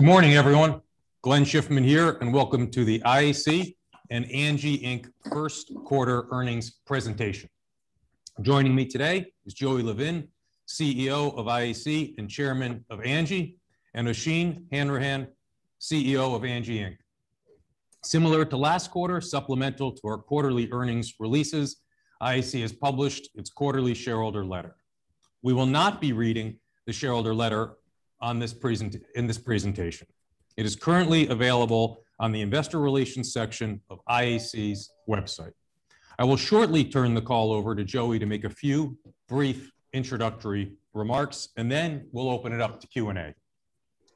Good morning, everyone. Glenn Schiffman here, and welcome to the IAC and Angi Inc Q1 Earnings Presentation. Joining me today is Joey Levin, CEO of IAC and Chairman of Angi, and Oisin Hanrahan, CEO of Angi Inc. Similar to last quarter, supplemental to our quarterly earnings releases, IAC has published its quarterly shareholder letter. We will not be reading the shareholder letter in this presentation. It is currently available on the investor relations section of IAC's website. I will shortly turn the call over to Joey to make a few brief introductory remarks, and then we'll open it up to Q&A.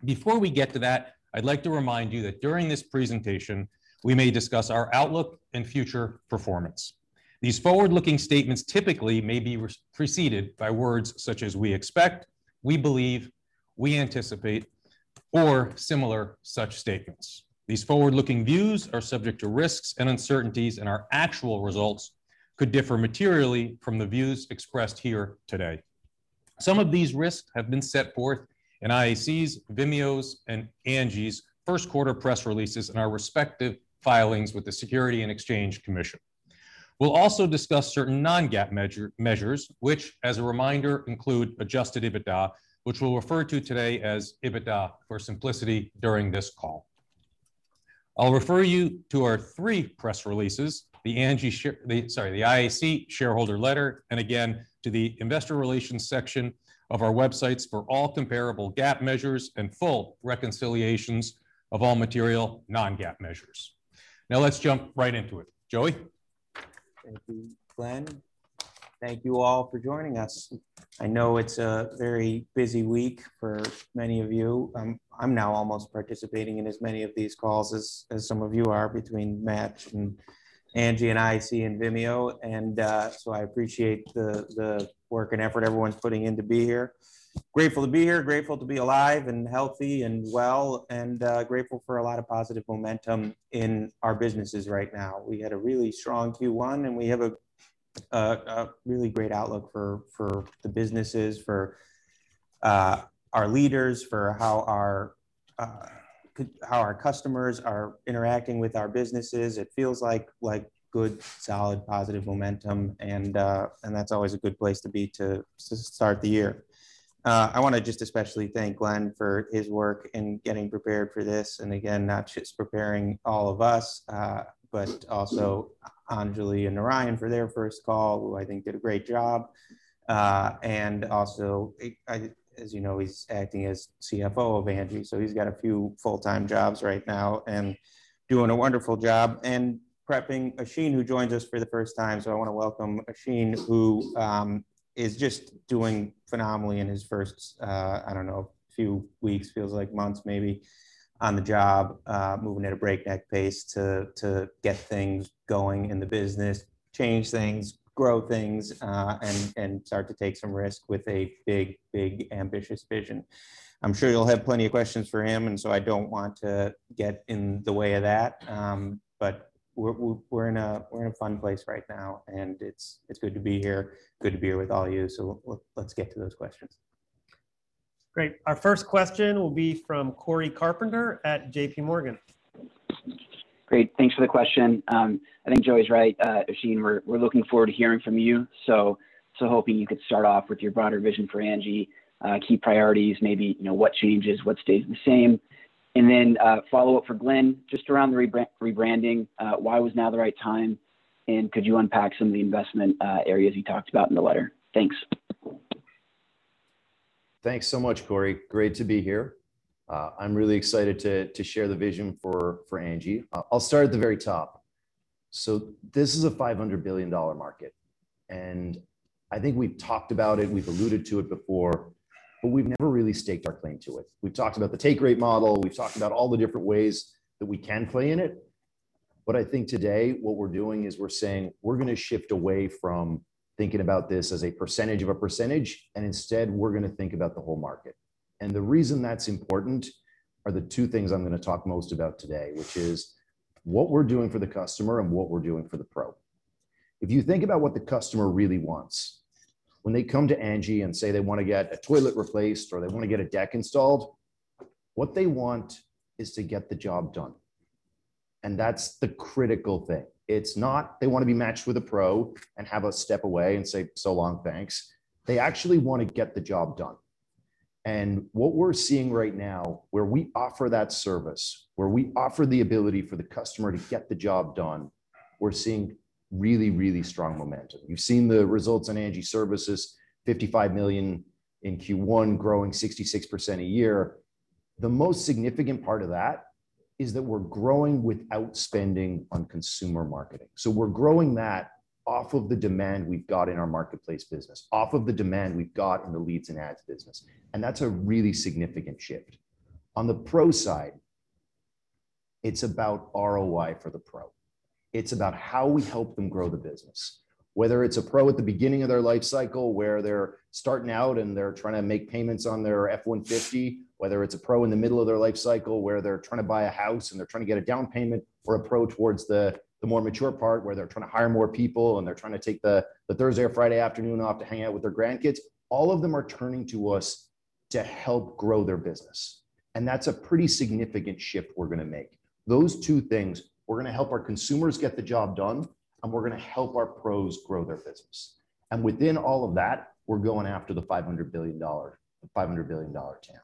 Before we get to that, I'd like to remind you that during this presentation, we may discuss our outlook and future performance. These forward-looking statements typically may be preceded by words such as "we expect," "we believe," "we anticipate," or similar such statements. These forward-looking views are subject to risks and uncertainties, and our actual results could differ materially from the views expressed here today. Some of these risks have been set forth in IAC's, Vimeo's, and Angi's Q1 press releases in our respective filings with the Securities and Exchange Commission. We'll also discuss certain non-GAAP measures, which, as a reminder, include adjusted EBITDA, which we'll refer to today as EBITDA for simplicity during this call. I'll refer you to our three press releases, the IAC shareholder letter, and again, to the investor relations section of our websites for all comparable GAAP measures and full reconciliations of all material non-GAAP measures. Now let's jump right into it. Joey? Thank you, Glenn. Thank you all for joining us. I know it's a very busy week for many of you. I'm now almost participating in as many of these calls as some of you are between Match and Angi and IAC and Vimeo. I appreciate the work and effort everyone's putting in to be here. Grateful to be here, grateful to be alive and healthy and well, and grateful for a lot of positive momentum in our businesses right now. We had a really strong Q1, and we have a really great outlook for the businesses, for our leaders, for how our customers are interacting with our businesses. It feels like good, solid, positive momentum, and that's always a good place to be to start the year. I want to just especially thank Glenn for his work in getting prepared for this, and again, not just preparing all of us, but also Anjali and Ryan for their first call, who I think did a great job. Also, as you know, he's acting as CFO of Angi, so he's got a few full-time jobs right now and doing a wonderful job, and prepping Oisin, who joins us for the first time. I want to welcome Oisin, who is just doing phenomenally in his first, I don't know, few weeks, feels like months maybe, on the job. Moving at a breakneck pace to get things going in the business, change things, grow things, and start to take some risks with a big, big, ambitious vision. I'm sure you'll have plenty of questions for him, and so I don't want to get in the way of that. We're in a fun place right now, and it's good to be here. Good to be here with all you, so let's get to those questions. Great. Our first question will be from Cory Carpenter at JPMorgan. Great. Thanks for the question. I think Joey's right, Oisin, we're looking forward to hearing from you. Hoping you could start off with your broader vision for Angi, key priorities, maybe what changes, what stays the same. Then, follow-up for Glenn, just around the rebranding. Why was now the right time, and could you unpack some of the investment areas you talked about in the letter? Thanks. Thanks so much, Cory. Great to be here. I'm really excited to share the vision for Angi. I'll start at the very top. This is a $500 billion market, and I think we've talked about it, we've alluded to it before, but we've never really staked our claim to it. We've talked about the take rate model. We've talked about all the different ways that we can play in it. I think today what we're doing is we're saying we're going to shift away from thinking about this as a percentage of a percentage, and instead, we're going to think about the whole market. The reason that's important are the two things I'm going to talk most about today, which is what we're doing for the customer and what we're doing for the pro. If you think about what the customer really wants, when they come to Angi and say they want to get a toilet replaced, or they want to get a deck installed, what they want is to get the job done. That's the critical thing. It's not they want to be matched with a pro and have us step away and say, "So long, thanks." They actually want to get the job done. What we're seeing right now, where we offer that service, where we offer the ability for the customer to get the job done, we're seeing really, really strong momentum. You've seen the results on Angi Services, $55 million in Q1, growing 66% a year. The most significant part of that is that we're growing without spending on consumer marketing. We're growing that off of the demand we've got in our marketplace business, off of the demand we've got in the leads and ads business. That's a really significant shift. On the pro side, it's about ROI for the pro. It's about how we help them grow the business. Whether it's a pro at the beginning of their life cycle, where they're starting out and they're trying to make payments on their F-150, whether it's a pro in the middle of their life cycle, where they're trying to buy a house and they're trying to get a down payment, or a pro towards the more mature part, where they're trying to hire more people and they're trying to take the Thursday or Friday afternoon off to hang out with their grandkids, all of them are turning to us to help grow their business. That's a pretty significant shift we're going to make. Those two things, we're going to help our consumers get the job done, and we're going to help our pros grow their business. Within all of that, we're going after the $500 billion TAM.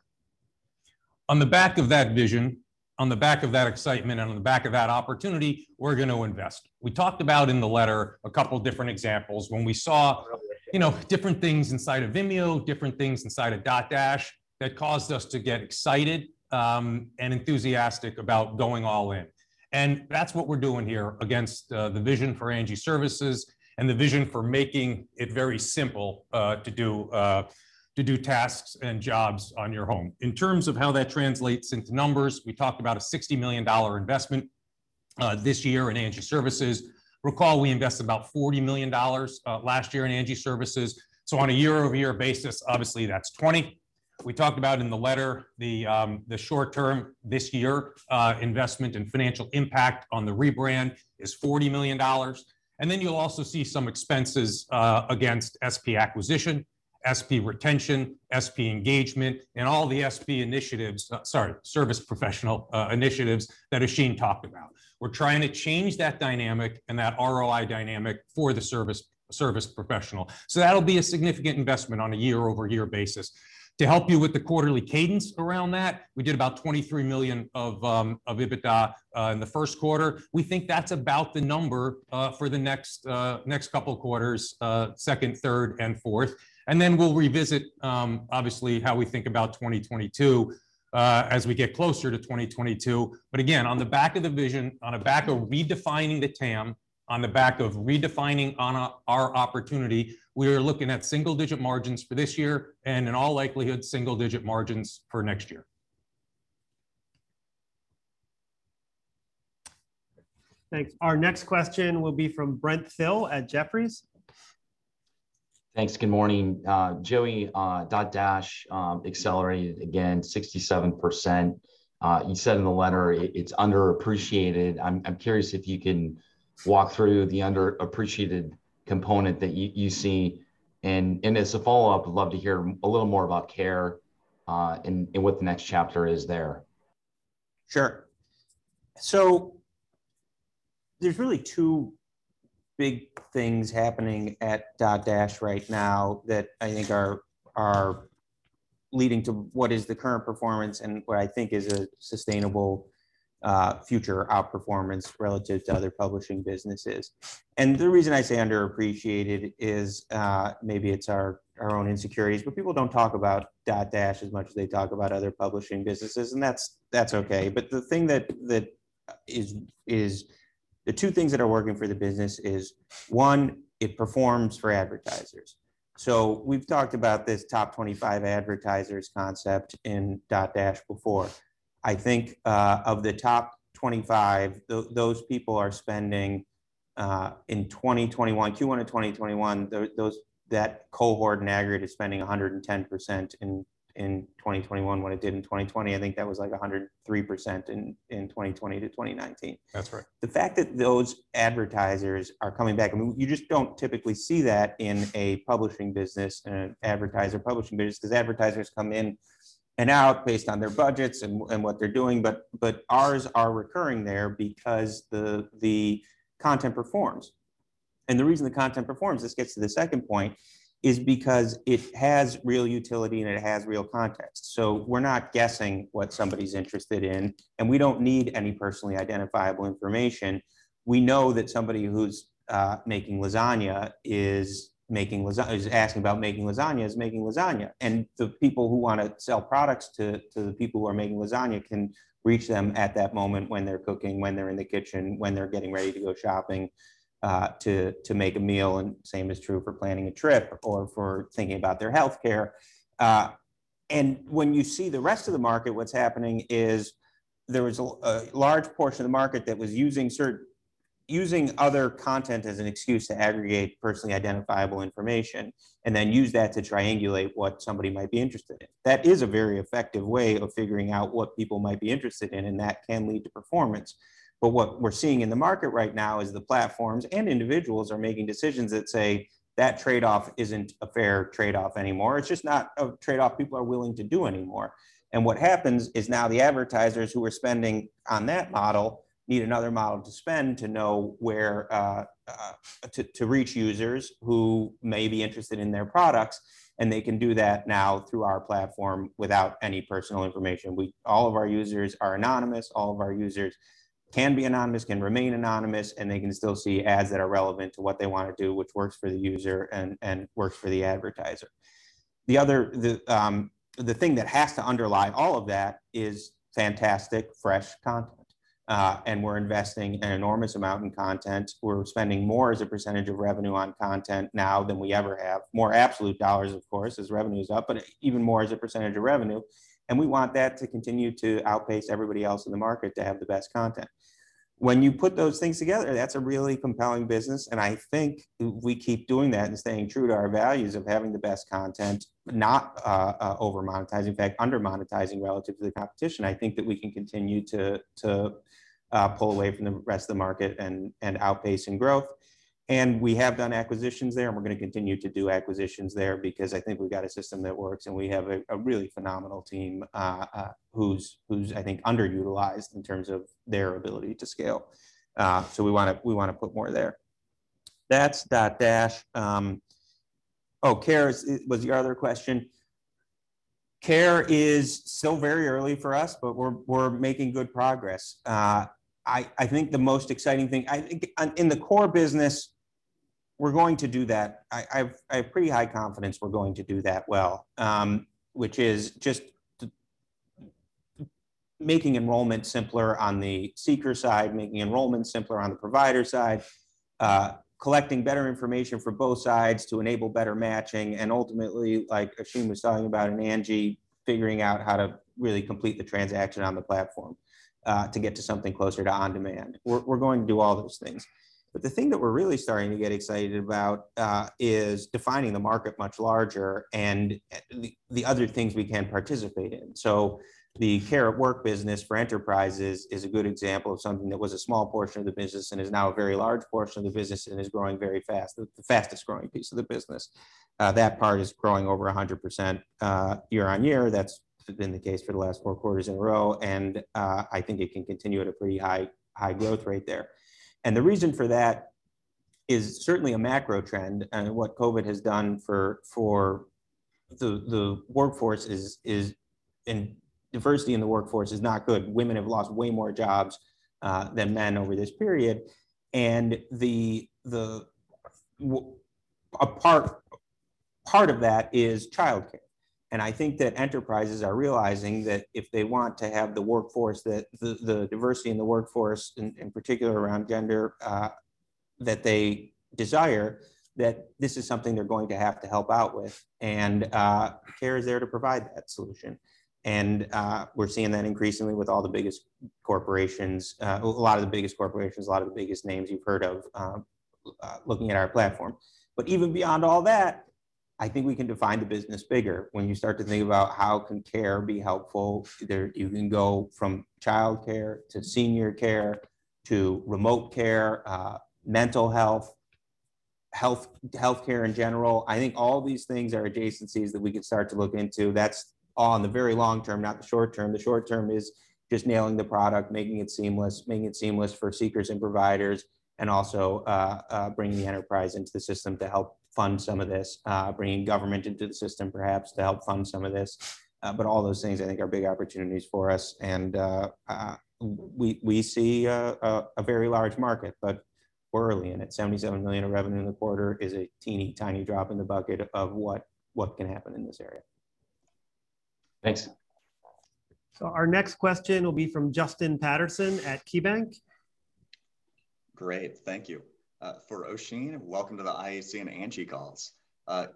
On the back of that vision, on the back of that excitement, and on the back of that opportunity, we're going to invest. We talked about in the letter a couple different examples. When we saw different things inside of Vimeo, different things inside of Dotdash, that caused us to get excited and enthusiastic about going all in. That's what we're doing here against the vision for Angi Services and the vision for making it very simple to do tasks and jobs on your home. In terms of how that translates into numbers, we talked about a $60 million investment this year in Angi Services. Recall, we invested about $40 million last year in Angi Services. On a year-over-year basis, obviously that's $20. We talked about in the letter the short term this year investment and financial impact on the rebrand is $40 million. You'll also see some expenses against SP acquisition, SP retention, SP engagement, and all the SP initiatives, sorry, service professional initiatives that Oisin talked about. We're trying to change that dynamic and that ROI dynamic for the service professional. That'll be a significant investment on a year-over-year basis. To help you with the quarterly cadence around that, we did about $23 million of EBITDA in the first quarter. We think that's about the number for the next couple quarters, second, third, and fourth. We'll revisit, obviously, how we think about 2022 as we get closer to 2022. Again, on the back of the vision, on the back of redefining the TAM, on the back of redefining our opportunity, we are looking at single-digit margins for this year, and in all likelihood, single-digit margins for next year. Thanks. Our next question will be from Brent Thill at Jefferies. Thanks. Good morning. Joey, Dotdash accelerated again 67%. You said in the letter it's underappreciated. I'm curious if you can walk through the underappreciated component that you see. As a follow-up, would love to hear a little more about Care and what the next chapter is there. Sure. There's really two big things happening at Dotdash right now that I think are leading to what is the current performance and what I think is a sustainable future outperformance relative to other publishing businesses. The reason I say underappreciated is, maybe it's our own insecurities, but people don't talk about Dotdash as much as they talk about other publishing businesses, and that's okay. The two things that are working for the business is, one, it performs for advertisers. We've talked about this top 25 advertisers concept in Dotdash before. I think of the top 25, those people are spending in 2021, Q1 of 2021, that cohort in aggregate is spending 110% in 2021 what it did in 2020. I think that was like 103% in 2020 to 2019. That's right. The fact that those advertisers are coming back, I mean, you just don't typically see that in a publishing business, an advertiser publishing business, because advertisers come in and out based on their budgets and what they're doing. Ours are recurring there because the content performs. The reason the content performs, this gets to the second point, is because it has real utility and it has real context. We're not guessing what somebody's interested in, and we don't need any personally identifiable information. We know that somebody who's asking about making lasagna is making lasagna. The people who want to sell products to the people who are making lasagna can reach them at that moment when they're cooking, when they're in the kitchen, when they're getting ready to go shopping to make a meal. Same is true for planning a trip or for thinking about their healthcare. When you see the rest of the market, what's happening is there was a large portion of the market that was using other content as an excuse to aggregate personally identifiable information and then use that to triangulate what somebody might be interested in. That is a very effective way of figuring out what people might be interested in, and that can lead to performance. What we're seeing in the market right now is the platforms and individuals are making decisions that say that trade-off isn't a fair trade-off anymore. It's just not a trade-off people are willing to do anymore. What happens is now the advertisers who are spending on that model need another model to spend to reach users who may be interested in their products, and they can do that now through our platform without any personal information. All of our users are anonymous. All of our users can be anonymous, can remain anonymous, and they can still see ads that are relevant to what they want to do, which works for the user and works for the advertiser. The thing that has to underlie all of that is fantastic, fresh content. We're investing an enormous amount in content. We're spending more as a percentage of revenue on content now than we ever have. More absolute dollars, of course, as revenue's up, but even more as a percentage of revenue. We want that to continue to outpace everybody else in the market to have the best content. When you put those things together, that's a really compelling business, and I think if we keep doing that and staying true to our values of having the best content, not over-monetizing, in fact, under-monetizing relative to the competition, I think that we can continue to pull away from the rest of the market and outpace in growth. We have done acquisitions there, and we're going to continue to do acquisitions there because I think we've got a system that works, and we have a really phenomenal team who's, I think, underutilized in terms of their ability to scale. We want to put more there. That's Dotdash. Oh, Care was your other question. Care is still very early for us, but we're making good progress. I think in the core business, we're going to do that. I have pretty high confidence we're going to do that well, which is just making enrollment simpler on the seeker side, making enrollment simpler on the provider side, collecting better information from both sides to enable better matching, and ultimately, like Oisin Hanrahan was talking about, and Angi, figuring out how to really complete the transaction on the platform to get to something closer to on-demand. We're going to do all those things. The thing that we're really starting to get excited about is defining the market much larger and the other things we can participate in. The Care@Work business for enterprises is a good example of something that was a small portion of the business and is now a very large portion of the business and is growing very fast, the fastest-growing piece of the business. That part is growing over 100% year-on-year. That's been the case for the last four quarters in a row, and I think it can continue at a pretty high growth rate there. The reason for that is certainly a macro trend and what COVID has done for the workforce and diversity in the workforce is not good. Women have lost way more jobs than men over this period. Part of that is childcare. I think that enterprises are realizing that if they want to have the workforce, the diversity in the workforce in particular around gender, that they desire, that this is something they're going to have to help out with. Care is there to provide that solution. We're seeing that increasingly with all the biggest corporations, a lot of the biggest names you've heard of looking at our platform. Even beyond all that, I think we can define the business bigger. When you start to think about how can Care be helpful, you can go from childcare to senior care to remote care, mental health, healthcare in general. I think all these things are adjacencies that we could start to look into. That's all in the very long term, not the short term. The short term is just nailing the product, making it seamless, making it seamless for seekers and providers, and also bringing the enterprise into the system to help fund some of this, bringing government into the system perhaps to help fund some of this. All those things, I think, are big opportunities for us. We see a very large market, but we're early in it. $77 million of revenue in the quarter is a teeny-tiny drop in the bucket of what can happen in this area. Thanks. Our next question will be from Justin Patterson at KeyBanc. Great, thank you. For Oisin, welcome to the IAC and Angi calls.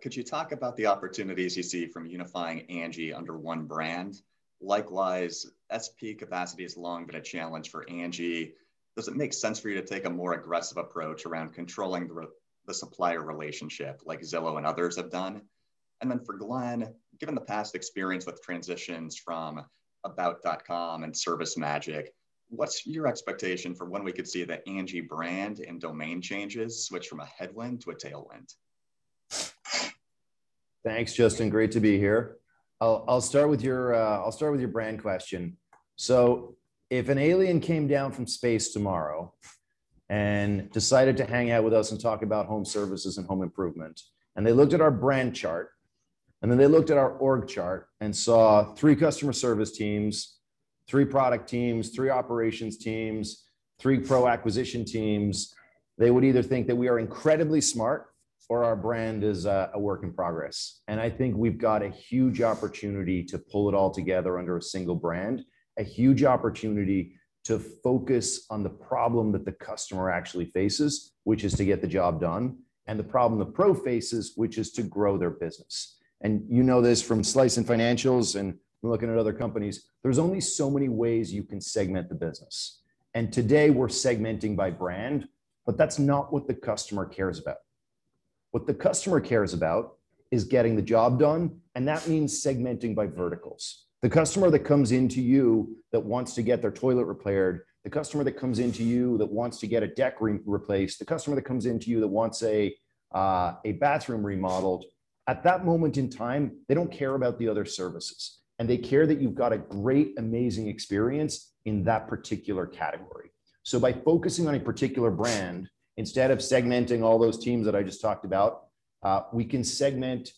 Could you talk about the opportunities you see from unifying Angi under one brand? Likewise, SP capacity has long been a challenge for Angi. Does it make sense for you to take a more aggressive approach around controlling the supplier relationship like Zillow and others have done? For Glenn, given the past experience with transitions from About.com and ServiceMagic, what's your expectation for when we could see the Angi brand and domain changes switch from a headwind to a tailwind? Thanks, Justin. Great to be here. I'll start with your brand question. If an alien came down from space tomorrow and decided to hang out with us and talk about home services and home improvement, and they looked at our brand chart, and then they looked at our org chart and saw three customer service teams, three product teams, three operations teams, three pro-acquisition teams, they would either think that we are incredibly smart or our brand is a work in progress. And I think we've got a huge opportunity to pull it all together under a single brand, a huge opportunity to focus on the problem that the customer actually faces, which is to get the job done, and the problem the pro faces, which is to grow their business. You know this from slicing financials and from looking at other companies, there's only so many ways you can segment the business. Today we're segmenting by brand, but that's not what the customer cares about. What the customer cares about is getting the job done, and that means segmenting by verticals. The customer that comes into you that wants to get their toilet repaired, the customer that comes into you that wants to get a deck replaced, the customer that comes into you that wants a bathroom remodeled, at that moment in time, they don't care about the other services, and they care that you've got a great, amazing experience in that particular category. By focusing on a particular brand, instead of segmenting all those teams that I just talked about, we can segment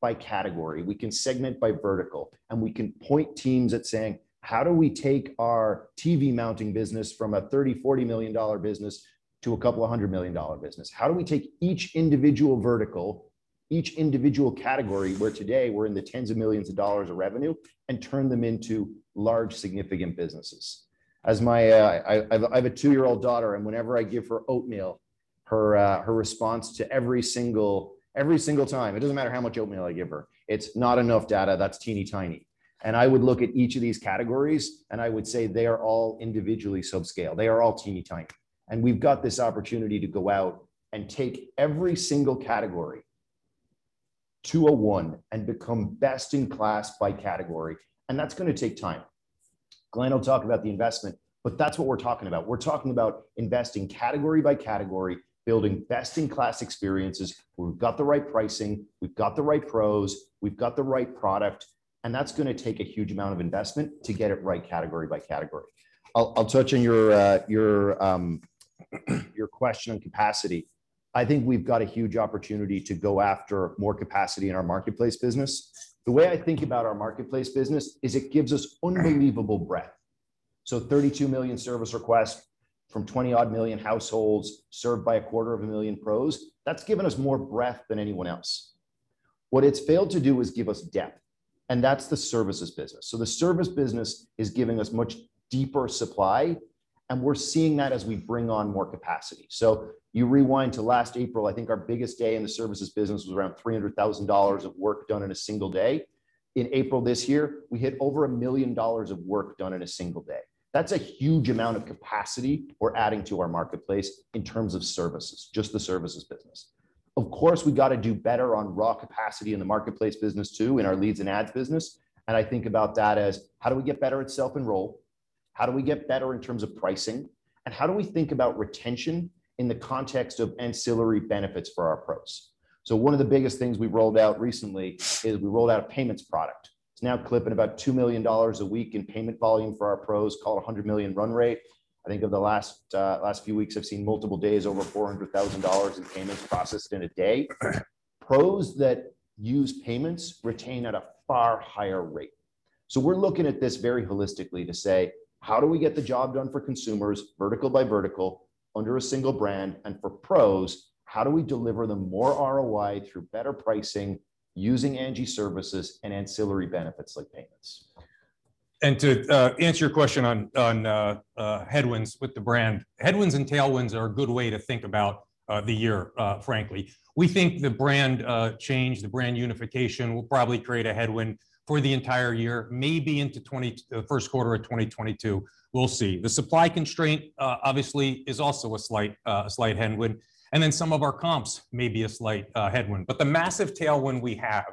by category, we can segment by vertical, and we can point teams at saying, "How do we take our TV mounting business from a $30 million, $40 million business to a couple of hundred million dollar business? How do we take each individual vertical, each individual category, where today we're in the tens of millions of dollars of revenue, and turn them into large, significant businesses?" I have a two-year-old daughter, and whenever I give her oatmeal Her response to every single time, it doesn't matter how much oatmeal I give her, it's not enough data, that's teeny-tiny. I would look at each of these categories, and I would say they are all individually sub-scale. They are all teeny-tiny. We've got this opportunity to go out and take every single category to a one, and become best-in-class by category. That's going to take time. Glenn will talk about the investment, but that's what we're talking about. We're talking about investing category by category, building best-in-class experiences. We've got the right pricing, we've got the right pros, we've got the right product, and that's going to take a huge amount of investment to get it right category by category. I'll touch on your question on capacity. I think we've got a huge opportunity to go after more capacity in our marketplace business. The way I think about our marketplace business is it gives us unbelievable breadth. 32 million service requests from 20-odd million households served by a quarter of a million pros, that's given us more breadth than anyone else. What it's failed to do is give us depth, and that's the services business. The service business is giving us much deeper supply, and we're seeing that as we bring on more capacity. You rewind to last April, I think our biggest day in the services business was around $300,000 of work done in a single day. In April this year, we hit over $1 million of work done in a single day. That's a huge amount of capacity we're adding to our marketplace in terms of services, just the services business. Of course, we got to do better on raw capacity in the marketplace business too, in our leads and ads business. I think about that as how do we get better at self-enroll? How do we get better in terms of pricing? How do we think about retention in the context of ancillary benefits for our pros? One of the biggest things we rolled out recently is we rolled out a payments product. It's now clipping about $2 million a week in payment volume for our pros, call it $100 million run rate. I think over the last few weeks I've seen multiple days over $400,000 in payments processed in a day. Pros that use payments retain at a far higher rate. We're looking at this very holistically to say, how do we get the job done for consumers, vertical by vertical, under a single brand? For pros, how do we deliver them more ROI through better pricing using Angi Services and ancillary benefits like payments? To answer your question on headwinds with the brand, headwinds and tailwinds are a good way to think about the year, frankly. We think the brand change, the brand unification will probably create a headwind for the entire year, maybe into the Q1 of 2022. We'll see. The supply constraint, obviously is also a slight headwind, and then some of our comps may be a slight headwind. The massive tailwind we have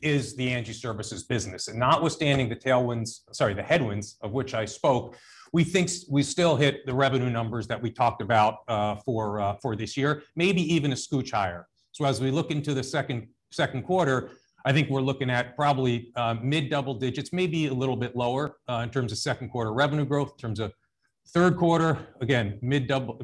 is the Angi Services business. Notwithstanding the headwinds of which I spoke, we think we still hit the revenue numbers that we talked about for this year, maybe even a scooch higher. As we look into the second quarter, I think we're looking at probably mid double digits, maybe a little bit lower, in terms of second quarter revenue growth. In terms of third quarter, again, mid double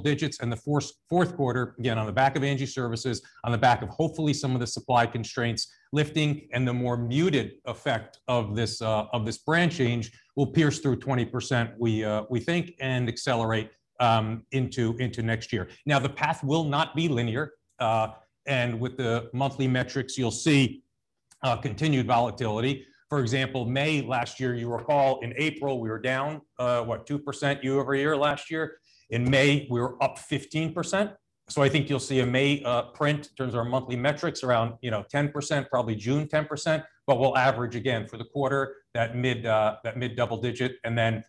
digits. The Q4, again, on the back of Angi Services, on the back of hopefully some of the supply constraints lifting and the more muted effect of this brand change, will pierce through 20%, we think, and accelerate into next year. The path will not be linear. With the monthly metrics you'll see continued volatility. For example, May last year, you recall in April we were down, what, 2% year-over-year last year. In May, we were up 15%. I think you'll see a May print in terms of our monthly metrics around 10%, probably June 10%, but we'll average again for the quarter that mid double digit and then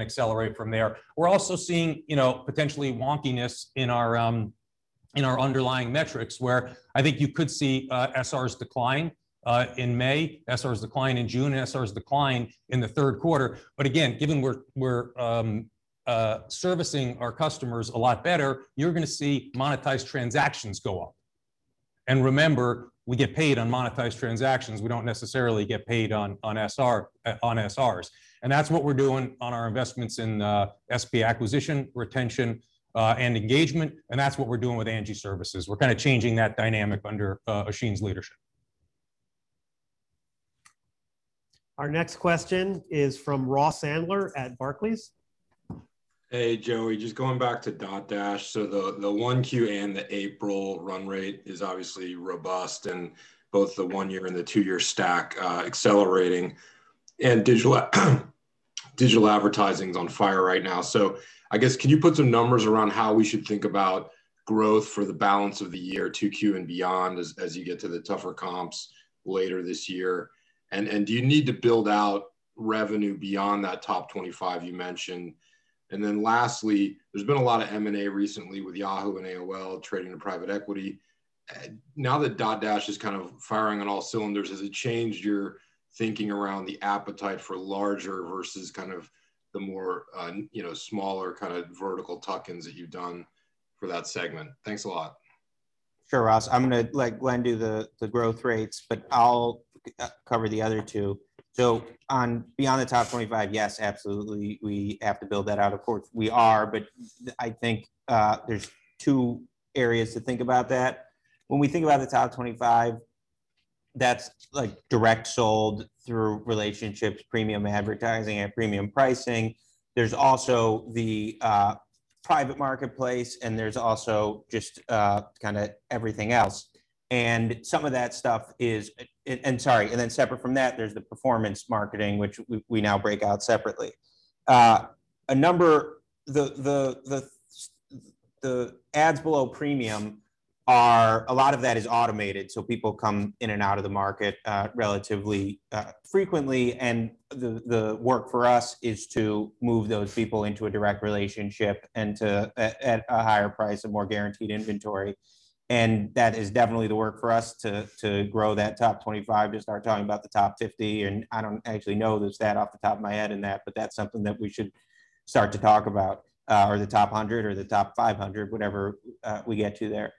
accelerate from there. We're also seeing potentially wonkiness in our underlying metrics where I think you could see SRs decline in May, SRs decline in June, and SRs decline in the third quarter. Again, given we're servicing our customers a lot better, you're going to see monetized transactions go up. Remember, we get paid on monetized transactions. We don't necessarily get paid on SRs. That's what we're doing on our investments in SP acquisition, retention, and engagement, and that's what we're doing with Angi Services. We're kind of changing that dynamic under Oisin's leadership. Our next question is from Ross Sandler at Barclays. Hey, Joey. Just going back to Dotdash. The 1Q and the April run rate is obviously robust in both the one-year and the two-year stack, accelerating. Digital advertising's on fire right now. I guess, can you put some numbers around how we should think about growth for the balance of the year, 2Q and beyond, as you get to the tougher comps later this year? Do you need to build out revenue beyond that top 25 you mentioned? Lastly, there's been a lot of M&A recently with Yahoo and AOL trading to private equity. Now that Dotdash is kind of firing on all cylinders, has it changed your thinking around the appetite for larger versus kind of the more smaller kind of vertical tuck-ins that you've done for that segment? Thanks a lot. Sure, Ross. I'm going to let Glenn do the growth rates, but I'll cover the other two. On beyond the top 25, yes, absolutely, we have to build that out. Of course, we are. I think there's two areas to think about that. When we think about the top 25, that's direct sold through relationships, premium advertising, and premium pricing. There's also the private marketplace, and there's also just kind of everything else. Sorry, separate from that, there's the performance marketing which we now break out separately. The ads below premium. A lot of that is automated, people come in and out of the market relatively frequently. The work for us is to move those people into a direct relationship at a higher price, a more guaranteed inventory. That is definitely the work for us to grow that top 25, to start talking about the top 50. I don't actually know the stat off the top of my head in that's something that we should start to talk about. The top 100 or the top 500, whatever we get to there.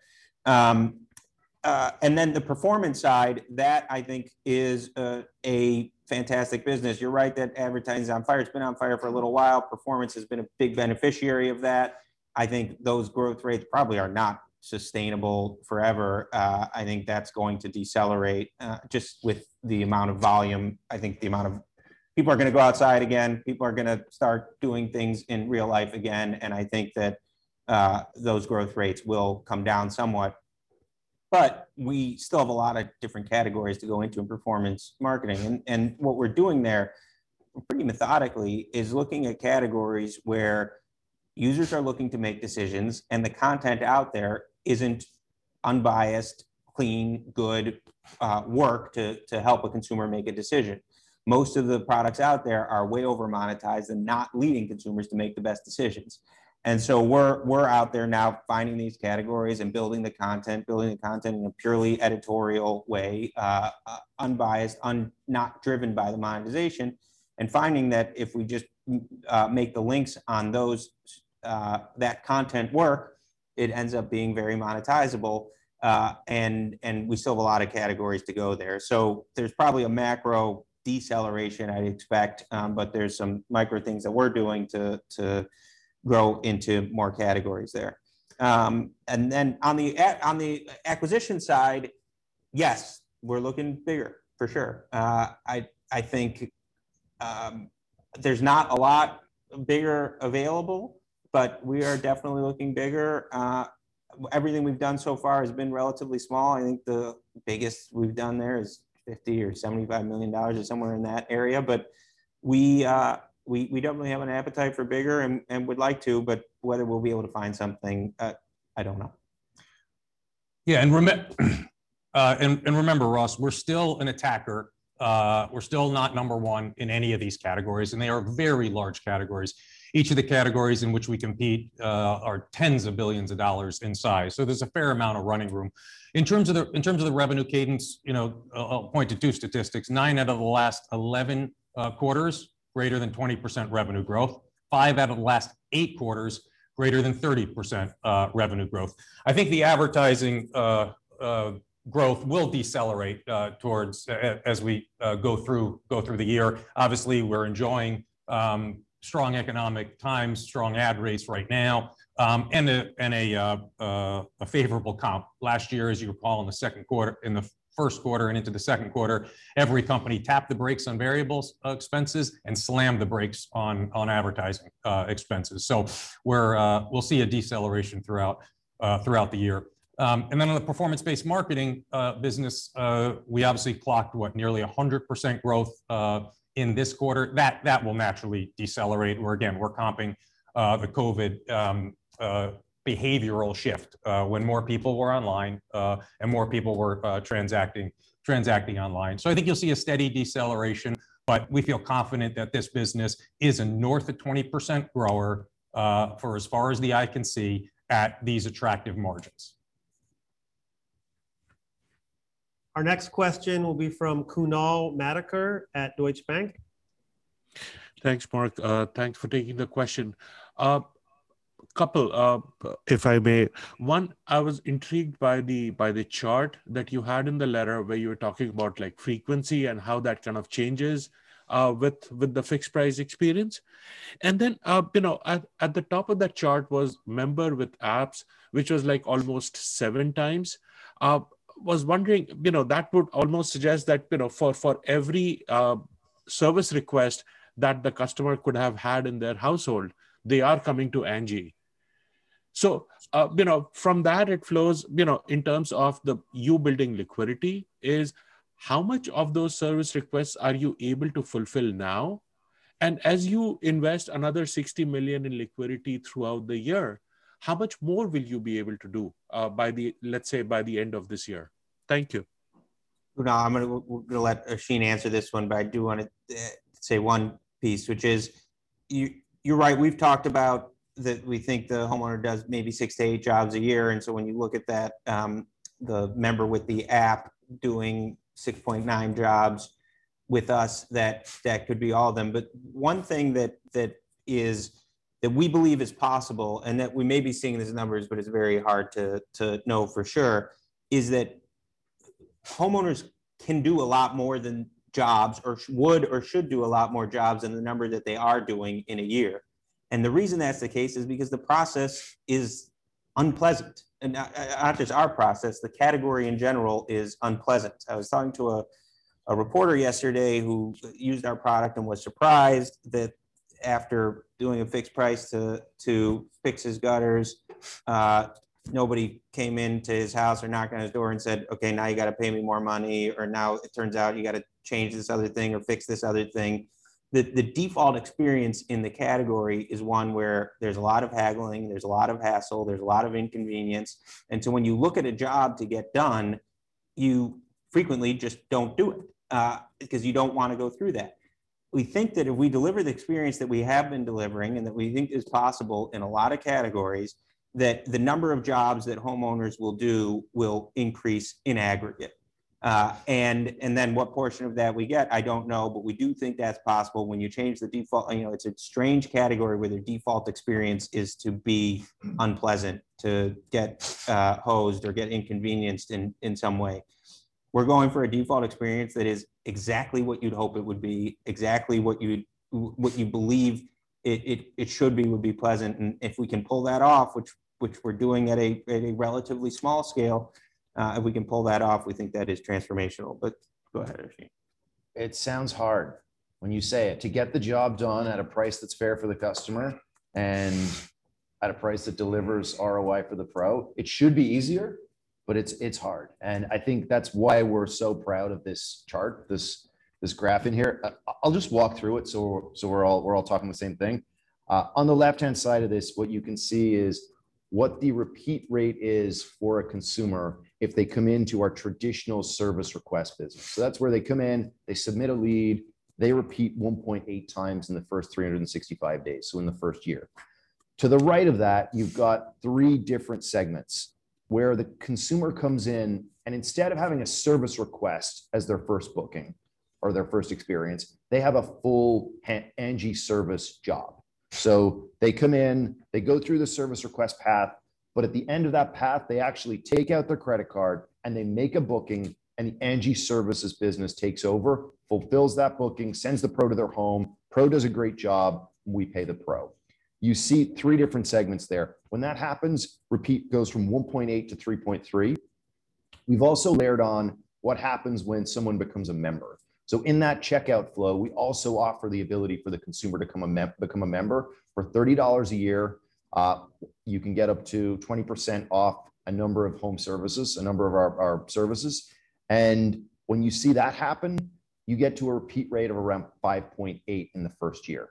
The performance side, that I think is a fantastic business. You're right that advertising's on fire. It's been on fire for a little while. Performance has been a big beneficiary of that. I think those growth rates probably are not sustainable forever. I think that's going to decelerate, just with the amount of volume. People are going to go outside again. People are going to start doing things in real life again. I think that those growth rates will come down somewhat. We still have a lot of different categories to go into in performance marketing. What we're doing there, pretty methodically, is looking at categories where users are looking to make decisions and the content out there isn't unbiased, clean, good work to help a consumer make a decision. Most of the products out there are way over-monetized and not leading consumers to make the best decisions. We're out there now finding these categories and building the content in a purely editorial way, unbiased, not driven by the monetization. Finding that if we just make the links on that content work, it ends up being very monetizable. We still have a lot of categories to go there. There's probably a macro deceleration I'd expect. There's some micro things that we're doing to grow into more categories there. Then on the acquisition side, yes, we're looking bigger for sure. I think there's not a lot bigger available, but we are definitely looking bigger. Everything we've done so far has been relatively small. I think the biggest we've done there is $50 or $75 million, or somewhere in that area. We definitely have an appetite for bigger and would like to, whether we'll be able to find something, I don't know. Yeah. Remember, Ross, we're still an attacker. We're still not number one in any of these categories. They are very large categories. Each of the categories in which we compete are tens of billions of dollars in size. There's a fair amount of running room. In terms of the revenue cadence, I'll point to two statistics. Nine out of the last 11 quarters, greater than 20% revenue growth. Five out of the last eight quarters, greater than 30% revenue growth. I think the advertising growth will decelerate as we go through the year. Obviously, we're enjoying strong economic times, strong ad rates right now, and a favorable comp. Last year, as you recall, in the first quarter and into the second quarter, every company tapped the brakes on variable expenses and slammed the brakes on advertising expenses. We'll see a deceleration throughout the year. On the performance-based marketing business, we obviously clocked, what, nearly 100% growth in this quarter. That will naturally decelerate, where again, we're comping the COVID behavioral shift when more people were online, and more people were transacting online. I think you'll see a steady deceleration, but we feel confident that this business is a north of 20% grower, for as far as the eye can see at these attractive margins. Our next question will be from Kunal Madhukar at Deutsche Bank. Thanks, Mark. Thanks for taking the question. A couple, if I may. One, I was intrigued by the chart that you had in the letter where you were talking about frequency and how that kind of changes with the fixed price experience. Then at the top of that chart was member with apps, which was almost seven times. Was wondering, that would almost suggest that for every service request that the customer could have had in their household, they are coming to Angi. From that it flows, in terms of you building liquidity, is how much of those service requests are you able to fulfill now? As you invest another $60 million in liquidity throughout the year, how much more will you be able to do, let's say, by the end of this year? Thank you. Kunal, I'm going to let Oisin answer this one, but I do want to say one piece, which is, you're right. We've talked about that we think the homeowner does maybe six to eight jobs a year, and so when you look at that, the member with the app doing 6.9 jobs with us, that could be all of them. One thing that we believe is possible, and that we may be seeing these numbers, but it's very hard to know for sure, is that homeowners can do a lot more than jobs, or would or should do a lot more jobs than the number that they are doing in a year. The reason that's the case is because the process is unpleasant. Not just our process, the category in general is unpleasant. I was talking to a reporter yesterday who used our product and was surprised that after doing a fixed price to fix his gutters, nobody came into his house or knocked on his door and said, "Okay, now you got to pay me more money," or, "Now it turns out you got to change this other thing or fix this other thing." The default experience in the category is one where there's a lot of haggling, there's a lot of hassle, there's a lot of inconvenience. When you look at a job to get done, you frequently just don't do it, because you don't want to go through that. We think that if we deliver the experience that we have been delivering and that we think is possible in a lot of categories, that the number of jobs that homeowners will do will increase in aggregate. What portion of that we get, I don't know, but we do think that's possible when you change the default. It's a strange category where the default experience is to be unpleasant, to get hosed or get inconvenienced in some way. We're going for a default experience that is exactly what you'd hope it would be, exactly what you believe it should be, would be pleasant. If we can pull that off, which we're doing at a relatively small scale, if we can pull that off, we think that is transformational. Go ahead, Oisin. It sounds hard when you say it. To get the job done at a price that's fair for the customer and at a price that delivers ROI for the pro, it should be easier, but it's hard. I think that's why we're so proud of this chart, this graph in here. I'll just walk through it so we're all talking the same thing. On the left-hand side of this, what you can see is what the repeat rate is for a consumer if they come into our traditional service request business. That's where they come in, they submit a lead, they repeat 1.8 times in the first 365 days, in the first year. To the right of that, you've got three different segments where the consumer comes in, and instead of having a service request as their first booking or their first experience, they have a full Angi Services job. They come in, they go through the service request path, but at the end of that path, they actually take out their credit card and they make a booking, and the Angi Services business takes over, fulfills that booking, sends the pro to their home, pro does a great job, and we pay the pro. You see three different segments there. When that happens, repeat goes from 1.8 to 3.3. We've also layered on what happens when someone becomes a member. In that checkout flow, we also offer the ability for the consumer to become a member. For $30 a year, you can get up to 20% off a number of home services, a number of our services. When you see that happen, you get to a repeat rate of around 5.8 in the first year.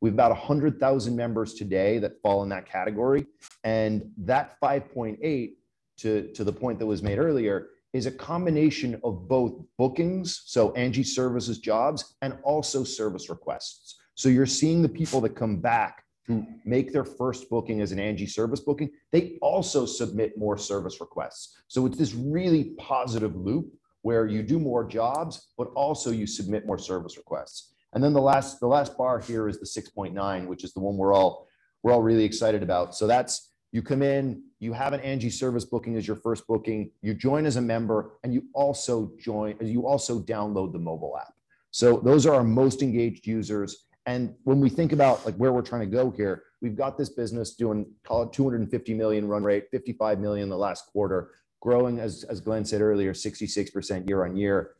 We've about 100,000 members today that fall in that category, and that 5.8, to the point that was made earlier, is a combination of both bookings, so Angi Services jobs, and also service requests. You're seeing the people that come back who make their first booking as an Angi Services booking, they also submit more service requests. It's this really positive loop where you do more jobs, but also you submit more service requests. The last bar here is the 6.9, which is the one we're all really excited about. That's, you come in, you have an Angi Services booking as your first booking, you join as a member, and you also download the mobile app. Those are our most engaged users, and when we think about where we're trying to go here, we've got this business doing call it $250 million run rate, $55 million in the last quarter, growing, as Glenn said earlier, 66% year-over-year.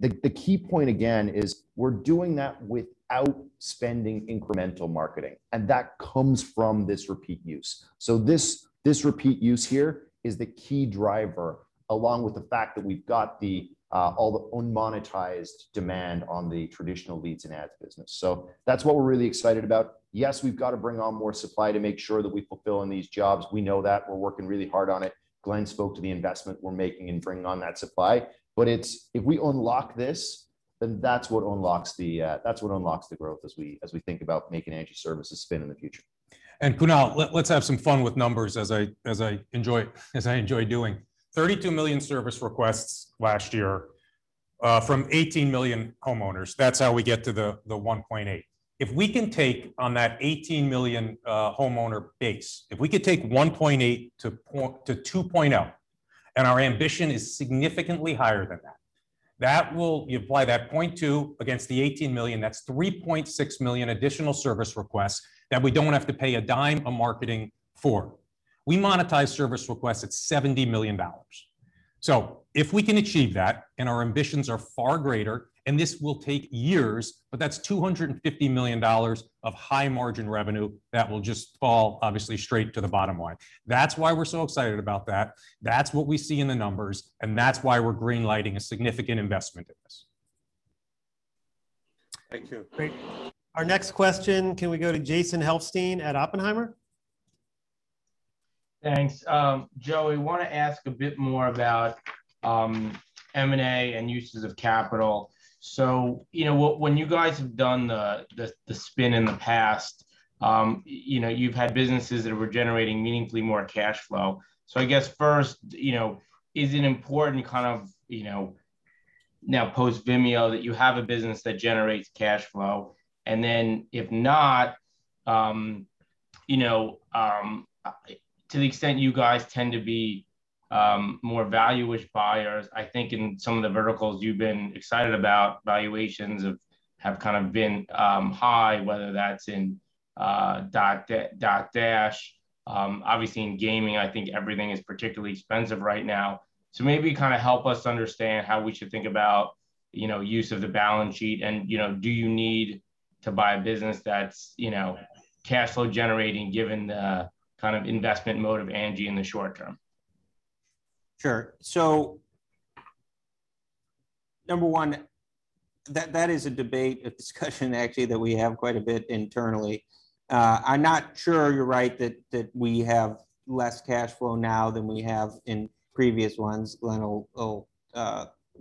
The key point, again, is we're doing that without spending incremental marketing, and that comes from this repeat use. This repeat use here is the key driver, along with the fact that we've got all the unmonetized demand on the traditional leads and ads business. That's what we're really excited about. Yes, we've got to bring on more supply to make sure that we fulfill on these jobs. We know that. We're working really hard on it. Glenn spoke to the investment we're making in bringing on that supply. If we unlock this, then that's what unlocks the growth as we think about making Angi Services spin in the future. Kunal, let's have some fun with numbers as I enjoy doing. 32 million service requests last year from 18 million homeowners. That's how we get to the 1.8. If we can take on that 18 million homeowner base, if we could take 1.8-2.0, our ambition is significantly higher than that, you apply that 0.2 against the 18 million, that's 3.6 million additional service requests that we don't have to pay a dime of marketing for. We monetize service requests at $70 million. If we can achieve that, our ambitions are far greater, this will take years, that's $250 million of high-margin revenue that will just fall, obviously, straight to the bottom line. That's why we're so excited about that. That's what we see in the numbers, that's why we're green-lighting a significant investment in this. Thank you. Great. Our next question, can we go to Jason Helfstein at Oppenheimer? Thanks. Joey, want to ask a bit more about M&A and uses of capital. When you guys have done the spin in the past, you've had businesses that were generating meaningfully more cash flow. I guess first, is it important kind of now post-Vimeo that you have a business that generates cash flow? If not, to the extent you guys tend to be more value-ish buyers, I think in some of the verticals you've been excited about, valuations have kind of been high, whether that's in Dotdash. Obviously, in gaming, I think everything is particularly expensive right now. Maybe kind of help us understand how we should think about use of the balance sheet and do you need to buy a business that's cash flow generating given the kind of investment mode of Angi in the short term? Sure. Number one, that is a debate, a discussion actually, that we have quite a bit internally. I'm not sure you're right that we have less cash flow now than we have in previous ones. Glenn will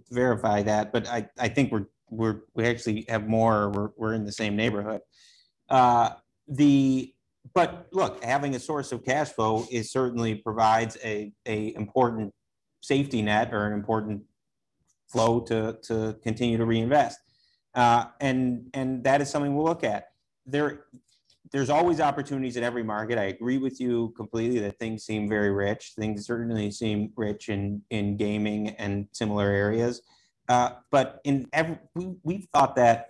verify that, but I think we actually have more, or we're in the same neighborhood. Look, having a source of cash flow, it certainly provides an important safety net or an important flow to continue to reinvest. That is something we'll look at. There's always opportunities in every market. I agree with you completely that things seem very rich. Things certainly seem rich in gaming and similar areas. We've thought that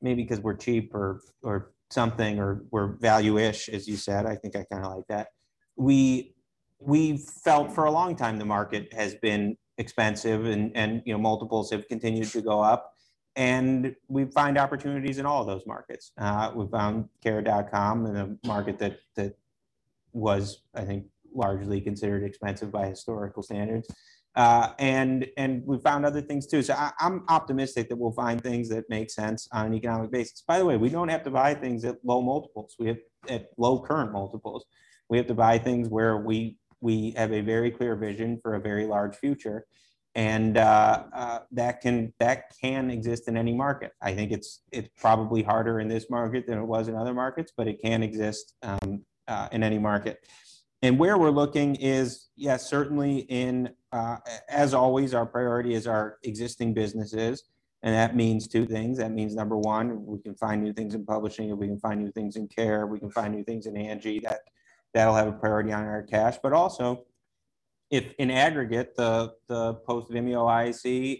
maybe because we're cheap or something, or we're value-ish, as you said. I think I kind of like that. We've felt for a long time the market has been expensive and multiples have continued to go up. We find opportunities in all of those markets. We found Care.com in a market that was, I think, largely considered expensive by historical standards. We've found other things too. I'm optimistic that we'll find things that make sense on an economic basis. By the way, we don't have to buy things at low multiples, at low current multiples. We have to buy things where we have a very clear vision for a very large future. That can exist in any market. I think it's probably harder in this market than it was in other markets. It can exist in any market. Where we're looking is, yes, certainly as always, our priority is our existing businesses. That means two things. That means, number 1, we can find new things in publishing, and we can find new things in care. We can find new things in Angi that'll have a priority on our cash. Also, if in aggregate, the post Vimeo IAC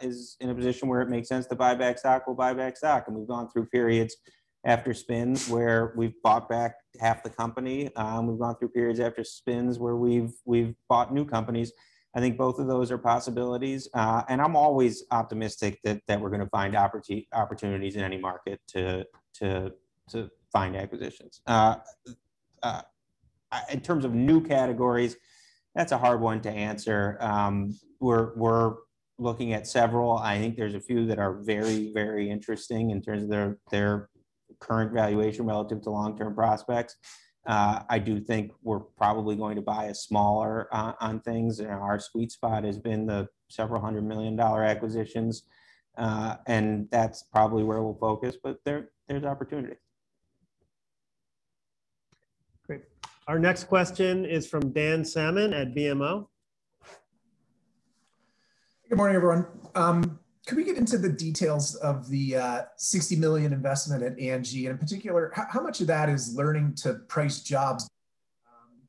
is in a position where it makes sense to buy back stock, we'll buy back stock. We've gone through periods after spins where we've bought back half the company. We've gone through periods after spins where we've bought new companies. I think both of those are possibilities, and I'm always optimistic that we're going to find opportunities in any market to find acquisitions. In terms of new categories, that's a hard one to answer. We're looking at several. I think there's a few that are very, very interesting in terms of their current valuation relative to long-term prospects. I do think we're probably going to buy a smaller on things. Our sweet spot has been the several hundred million dollar acquisitions. That's probably where we'll focus, but there's opportunity. Great. Our next question is from Dan Salmon at BMO. Good morning, everyone. Could we get into the details of the $60 million investment at Angi, and in particular, how much of that is learning to price jobs?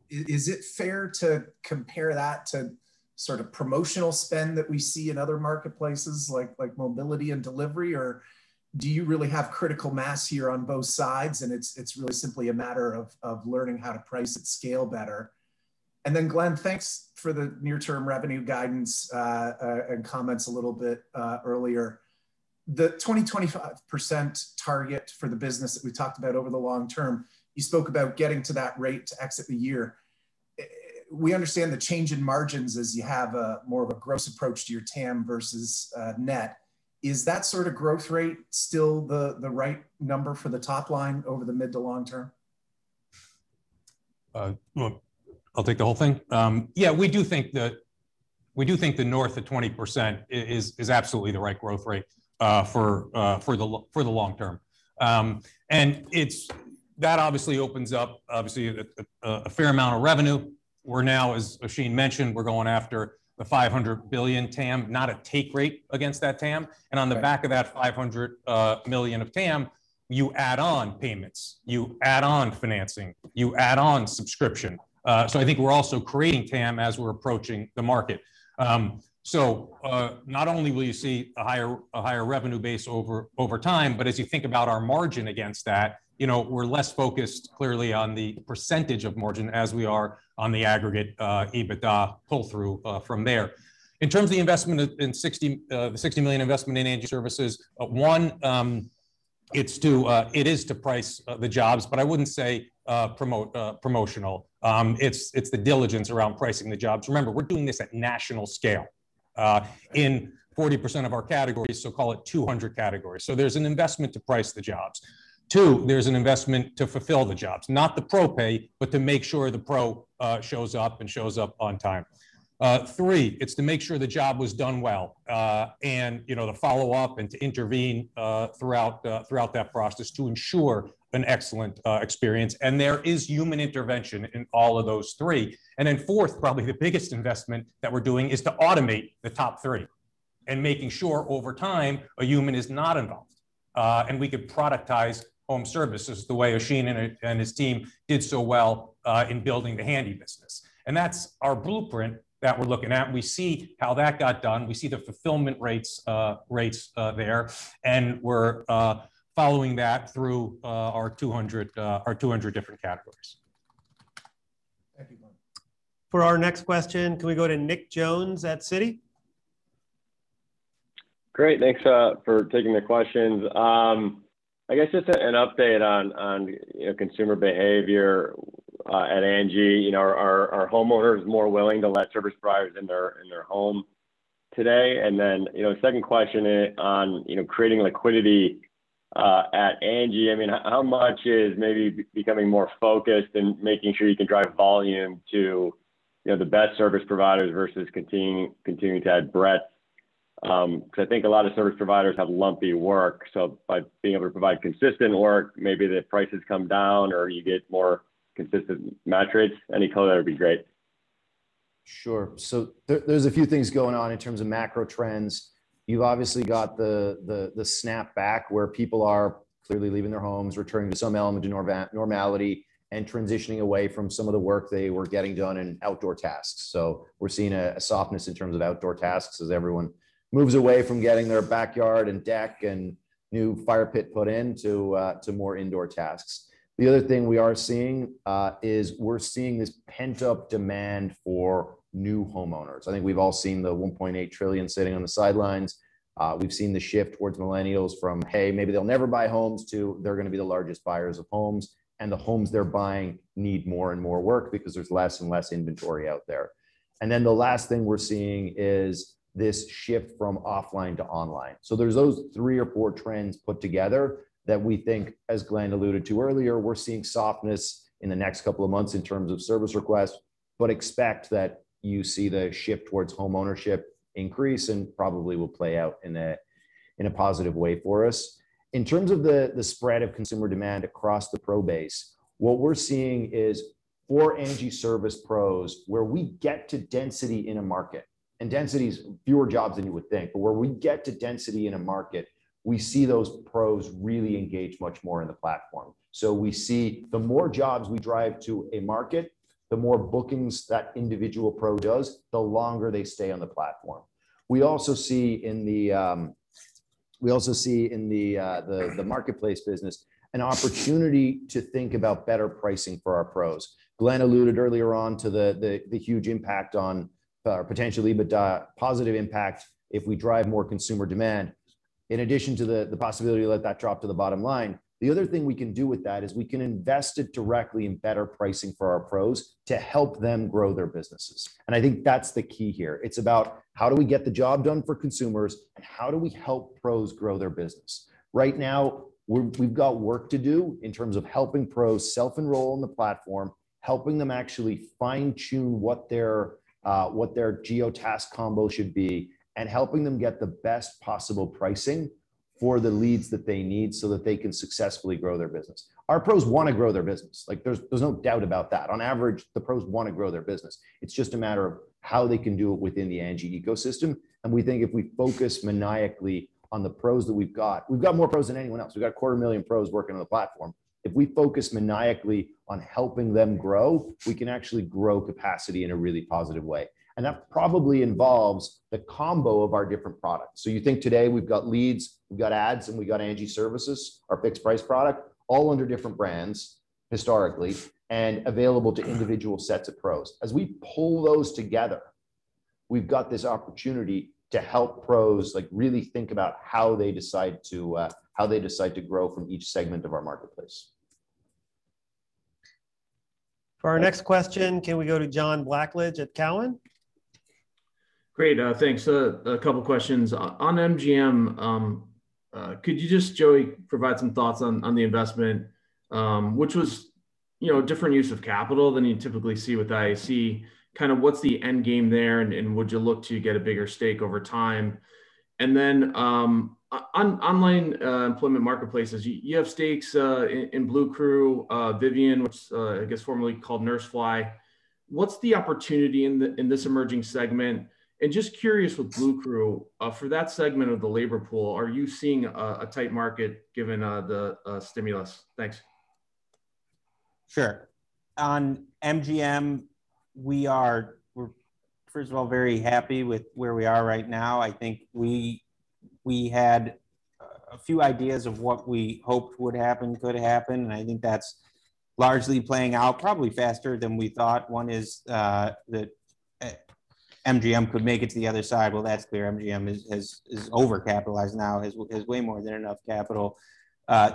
Is it fair to compare that to sort of promotional spend that we see in other marketplaces like mobility and delivery? Do you really have critical mass here on both sides and it's really simply a matter of learning how to price at scale better? Then Glenn, thanks for the near-term revenue guidance and comments a little bit earlier. The 20%-25% target for the business that we talked about over the long term, you spoke about getting to that rate to exit the year. We understand the change in margins as you have more of a gross approach to your TAM versus net. Is that sort of growth rate still the right number for the top line over the mid to long term? Well, I'll take the whole thing. Yeah, we do think the north of 20% is absolutely the right growth rate for the long term. That obviously opens up a fair amount of revenue. We're now, as Oisin mentioned, we're going after the $500 billion TAM, not a take rate against that TAM. On the back of that $500 million of TAM, you add on payments, you add on financing, you add on subscription. I think we're also creating TAM as we're approaching the market. Not only will you see a higher revenue base over time, but as you think about our margin against that, we're less focused clearly on the percentage of margin as we are on the aggregate EBITDA pull-through from there. In terms of the $60 million investment in Angi Services, one, it is to price the jobs, but I wouldn't say promotional. It's the diligence around pricing the jobs. Remember, we're doing this at national scale in 40% of our categories, so call it 200 categories. There's an investment to price the jobs. Two, there's an investment to fulfill the jobs, not the pro pay, but to make sure the pro shows up and shows up on time. Three, it's to make sure the job was done well, and to follow up and to intervene throughout that process to ensure an excellent experience. There is human intervention in all of those three. Fourth, probably the biggest investment that we're doing is to automate the top three and making sure over time a human is not involved. We could productize home services the way Oisin and his team did so well in building the Handy business. That's our blueprint that we're looking at, and we see how that got done. We see the fulfillment rates there, and we're following that through our 200 different categories. Thank you For our next question, can we go to Nick Jones at Citi? Great. Thanks for taking the questions. I guess just an update on consumer behavior at Angi. Are homeowners more willing to let service providers in their home today? Second question on creating liquidity at Angi. How much is maybe becoming more focused and making sure you can drive volume to the best service providers versus continuing to add breadth? I think a lot of service providers have lumpy work, so by being able to provide consistent work, maybe the prices come down, or you get more consistent metrics. Any color, that would be great. Sure. There's a few things going on in terms of macro trends. You've obviously got the snapback, where people are clearly leaving their homes, returning to some element of normality, and transitioning away from some of the work they were getting done in outdoor tasks. We're seeing a softness in terms of outdoor tasks as everyone moves away from getting their backyard and deck and new fire pit put in, to more indoor tasks. The other thing we are seeing is we're seeing this pent-up demand for new homeowners. I think we've all seen the $1.8 trillion sitting on the sidelines. We've seen the shift towards Millennials from, "Hey, maybe they'll never buy homes" to "They're going to be the largest buyers of homes." The homes they're buying need more and more work because there's less and less inventory out there. The last thing we're seeing is this shift from offline to online. There's those three or four trends put together that we think, as Glenn alluded to earlier, we're seeing softness in the next couple of months in terms of Service Requests, but expect that you see the shift towards home ownership increase and probably will play out in a positive way for us. In terms of the spread of consumer demand across the pro base, what we're seeing is for Angi service pros, where we get to density in a market, and density is fewer jobs than you would think, but where we get to density in a market, we see those pros really engage much more in the platform. We see the more jobs we drive to a market, the more bookings that individual pro does, the longer they stay on the platform. We also see in the marketplace business an opportunity to think about better pricing for our pros. Glenn alluded earlier on to the huge impact on potential EBITDA, positive impact if we drive more consumer demand, in addition to the possibility to let that drop to the bottom line. The other thing we can do with that is we can invest it directly in better pricing for our pros to help them grow their businesses. I think that's the key here. It's about how do we get the job done for consumers, and how do we help pros grow their business? Right now, we've got work to do in terms of helping pros self-enroll in the platform, helping them actually fine-tune what their geo-task combo should be, and helping them get the best possible pricing for the leads that they need so that they can successfully grow their business. Our pros want to grow their business. There's no doubt about that. On average, the pros want to grow their business. It's just a matter of how they can do it within the Angi ecosystem. We think if we focus maniacally on the pros that we've got, we've got more pros than anyone else. We've got 250,000 pros working on the platform. If we focus maniacally on helping them grow, we can actually grow capacity in a really positive way. That probably involves the combo of our different products. You think today, we've got leads, we've got ads, and we've got Angi Services, our fixed price product, all under different brands historically, and available to individual sets of pros. As we pull those together, we've got this opportunity to help pros really think about how they decide to grow from each segment of our marketplace. For our next question, can we go to John Blackledge at Cowen? Great. Thanks. A couple of questions. On MGM, could you just, Joey, provide some thoughts on the investment, which was different use of capital than you'd typically see with IAC. Would you look to get a bigger stake over time? On online employment marketplaces, you have stakes in Bluecrew, Vivian, which I guess formerly called NurseFly. What's the opportunity in this emerging segment? Just curious with Bluecrew, for that segment of the labor pool, are you seeing a tight market given the stimulus? Thanks. Sure. On MGM, we're first of all very happy with where we are right now. I think we had a few ideas of what we hoped would happen, could happen, and I think that's largely playing out probably faster than we thought. One is that MGM could make it to the other side. Well, that's clear. MGM is over-capitalized now, has way more than enough capital.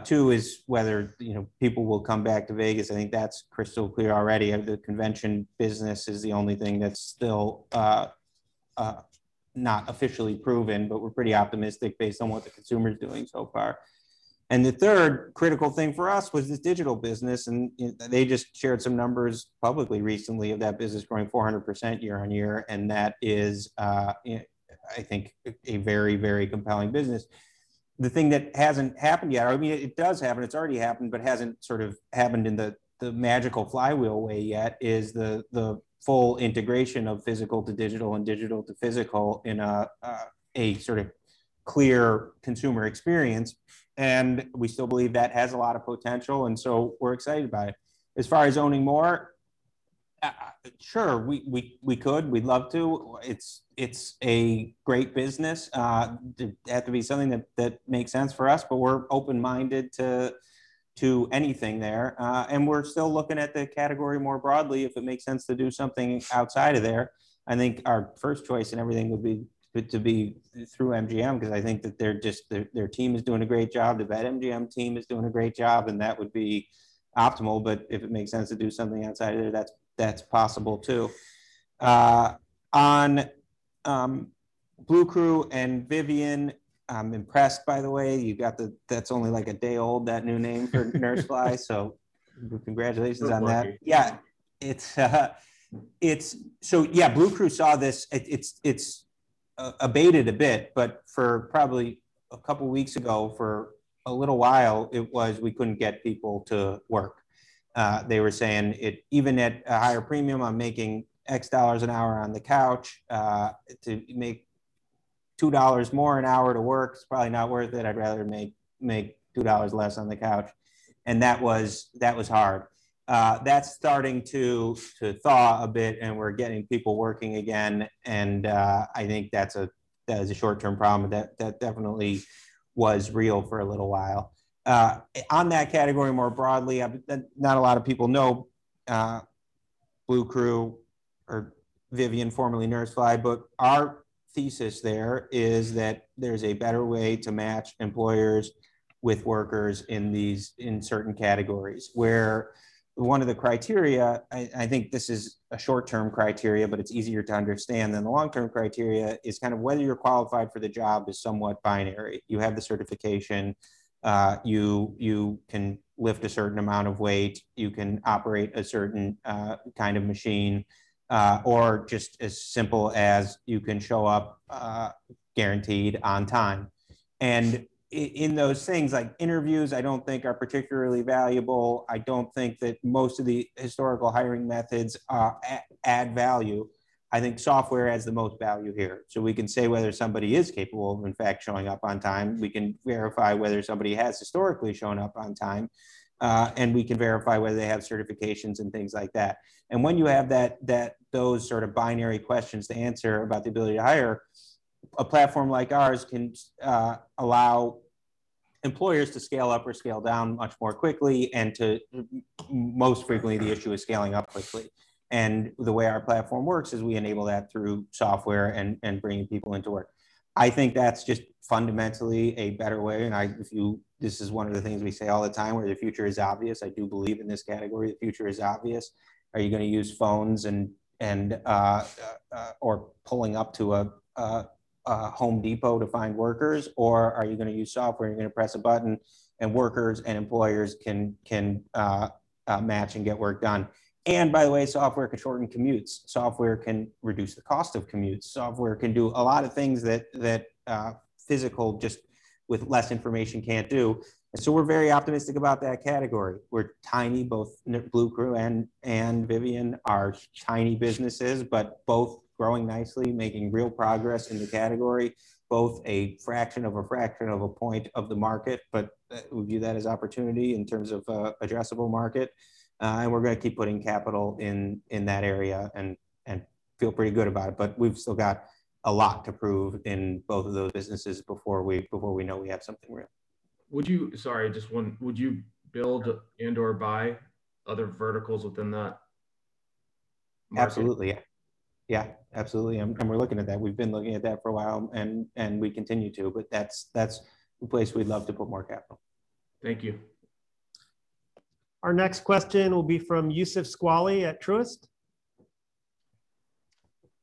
Two is whether people will come back to Vegas. I think that's crystal clear already. The convention business is the only thing that's still not officially proven, but we're pretty optimistic based on what the consumer's doing so far. The third critical thing for us was the digital business, and they just shared some numbers publicly recently of that business growing 400% year-on-year, and that is, I think, a very, very compelling business. The thing that hasn't happened yet, I mean, it does happen, it's already happened, but hasn't sort of happened in the magical flywheel way yet, is the full integration of physical to digital and digital to physical in a sort of clear consumer experience. We still believe that has a lot of potential, and so we're excited about it. As far as owning more Sure. We could. We'd love to. It's a great business. It'd have to be something that makes sense for us, but we're open-minded to anything there. We're still looking at the category more broadly, if it makes sense to do something outside of there. I think our first choice in everything would be to be through MGM, because I think that their team is doing a great job, the BetMGM team is doing a great job, and that would be optimal, but if it makes sense to do something outside of there, that's possible, too. On Bluecrew and Vivian, I'm impressed by the way, that's only like a day old, that new name for NurseFly. Congratulations on that. No pressure. Yeah. Yeah, Bluecrew saw this. It's abated a bit, for probably a couple of weeks ago, for a little while, it was we couldn't get people to work. They were saying, "Even at a higher premium, I'm making x dollars an hour on the couch. To make $2 more an hour to work is probably not worth it. I'd rather make $2 less on the couch." That was hard. That's starting to thaw a bit, we're getting people working again, I think that is a short-term problem, that definitely was real for a little while. On that category more broadly, not a lot of people know Bluecrew or Vivian, formerly NurseFly, our thesis there is that there's a better way to match employers with workers in certain categories, where one of the criteria, I think this is a short-term criteria, but it's easier to understand than the long-term criteria, is kind of whether you're qualified for the job is somewhat binary. You have the certification, you can lift a certain amount of weight, you can operate a certain kind of machine, or just as simple as you can show up guaranteed on time. In those things, interviews I don't think are particularly valuable. I don't think that most of the historical hiring methods add value. I think software adds the most value here. We can say whether somebody is capable of, in fact, showing up on time, we can verify whether somebody has historically shown up on time, and we can verify whether they have certifications and things like that. When you have those sort of binary questions to answer about the ability to hire, a platform like ours can allow employers to scale up or scale down much more quickly and to most frequently the issue is scaling up quickly. The way our platform works is we enable that through software and bringing people into work. I think that's just fundamentally a better way, and this is one of the things we say all the time, where the future is obvious. I do believe in this category, the future is obvious. Are you going to use phones or pulling up to a Home Depot to find workers, or are you going to use software? You're going to press a button and workers and employers can match and get work done. By the way, software can shorten commutes. Software can reduce the cost of commutes. Software can do a lot of things that physical, just with less information, can't do. We're very optimistic about that category. We're tiny, both Bluecrew and Vivian are tiny businesses, but both growing nicely, making real progress in the category, both a fraction of a fraction of a point of the market, but we view that as opportunity in terms of addressable market. We're going to keep putting capital in that area and feel pretty good about it. We've still got a lot to prove in both of those businesses before we know we have something real. Sorry, just one. Would you build and/or buy other verticals within that market? Absolutely, yeah. Yeah, absolutely. We're looking at that. We've been looking at that for a while, and we continue to, but that's a place we'd love to put more capital. Thank you. Our next question will be from Youssef Squali at Truist.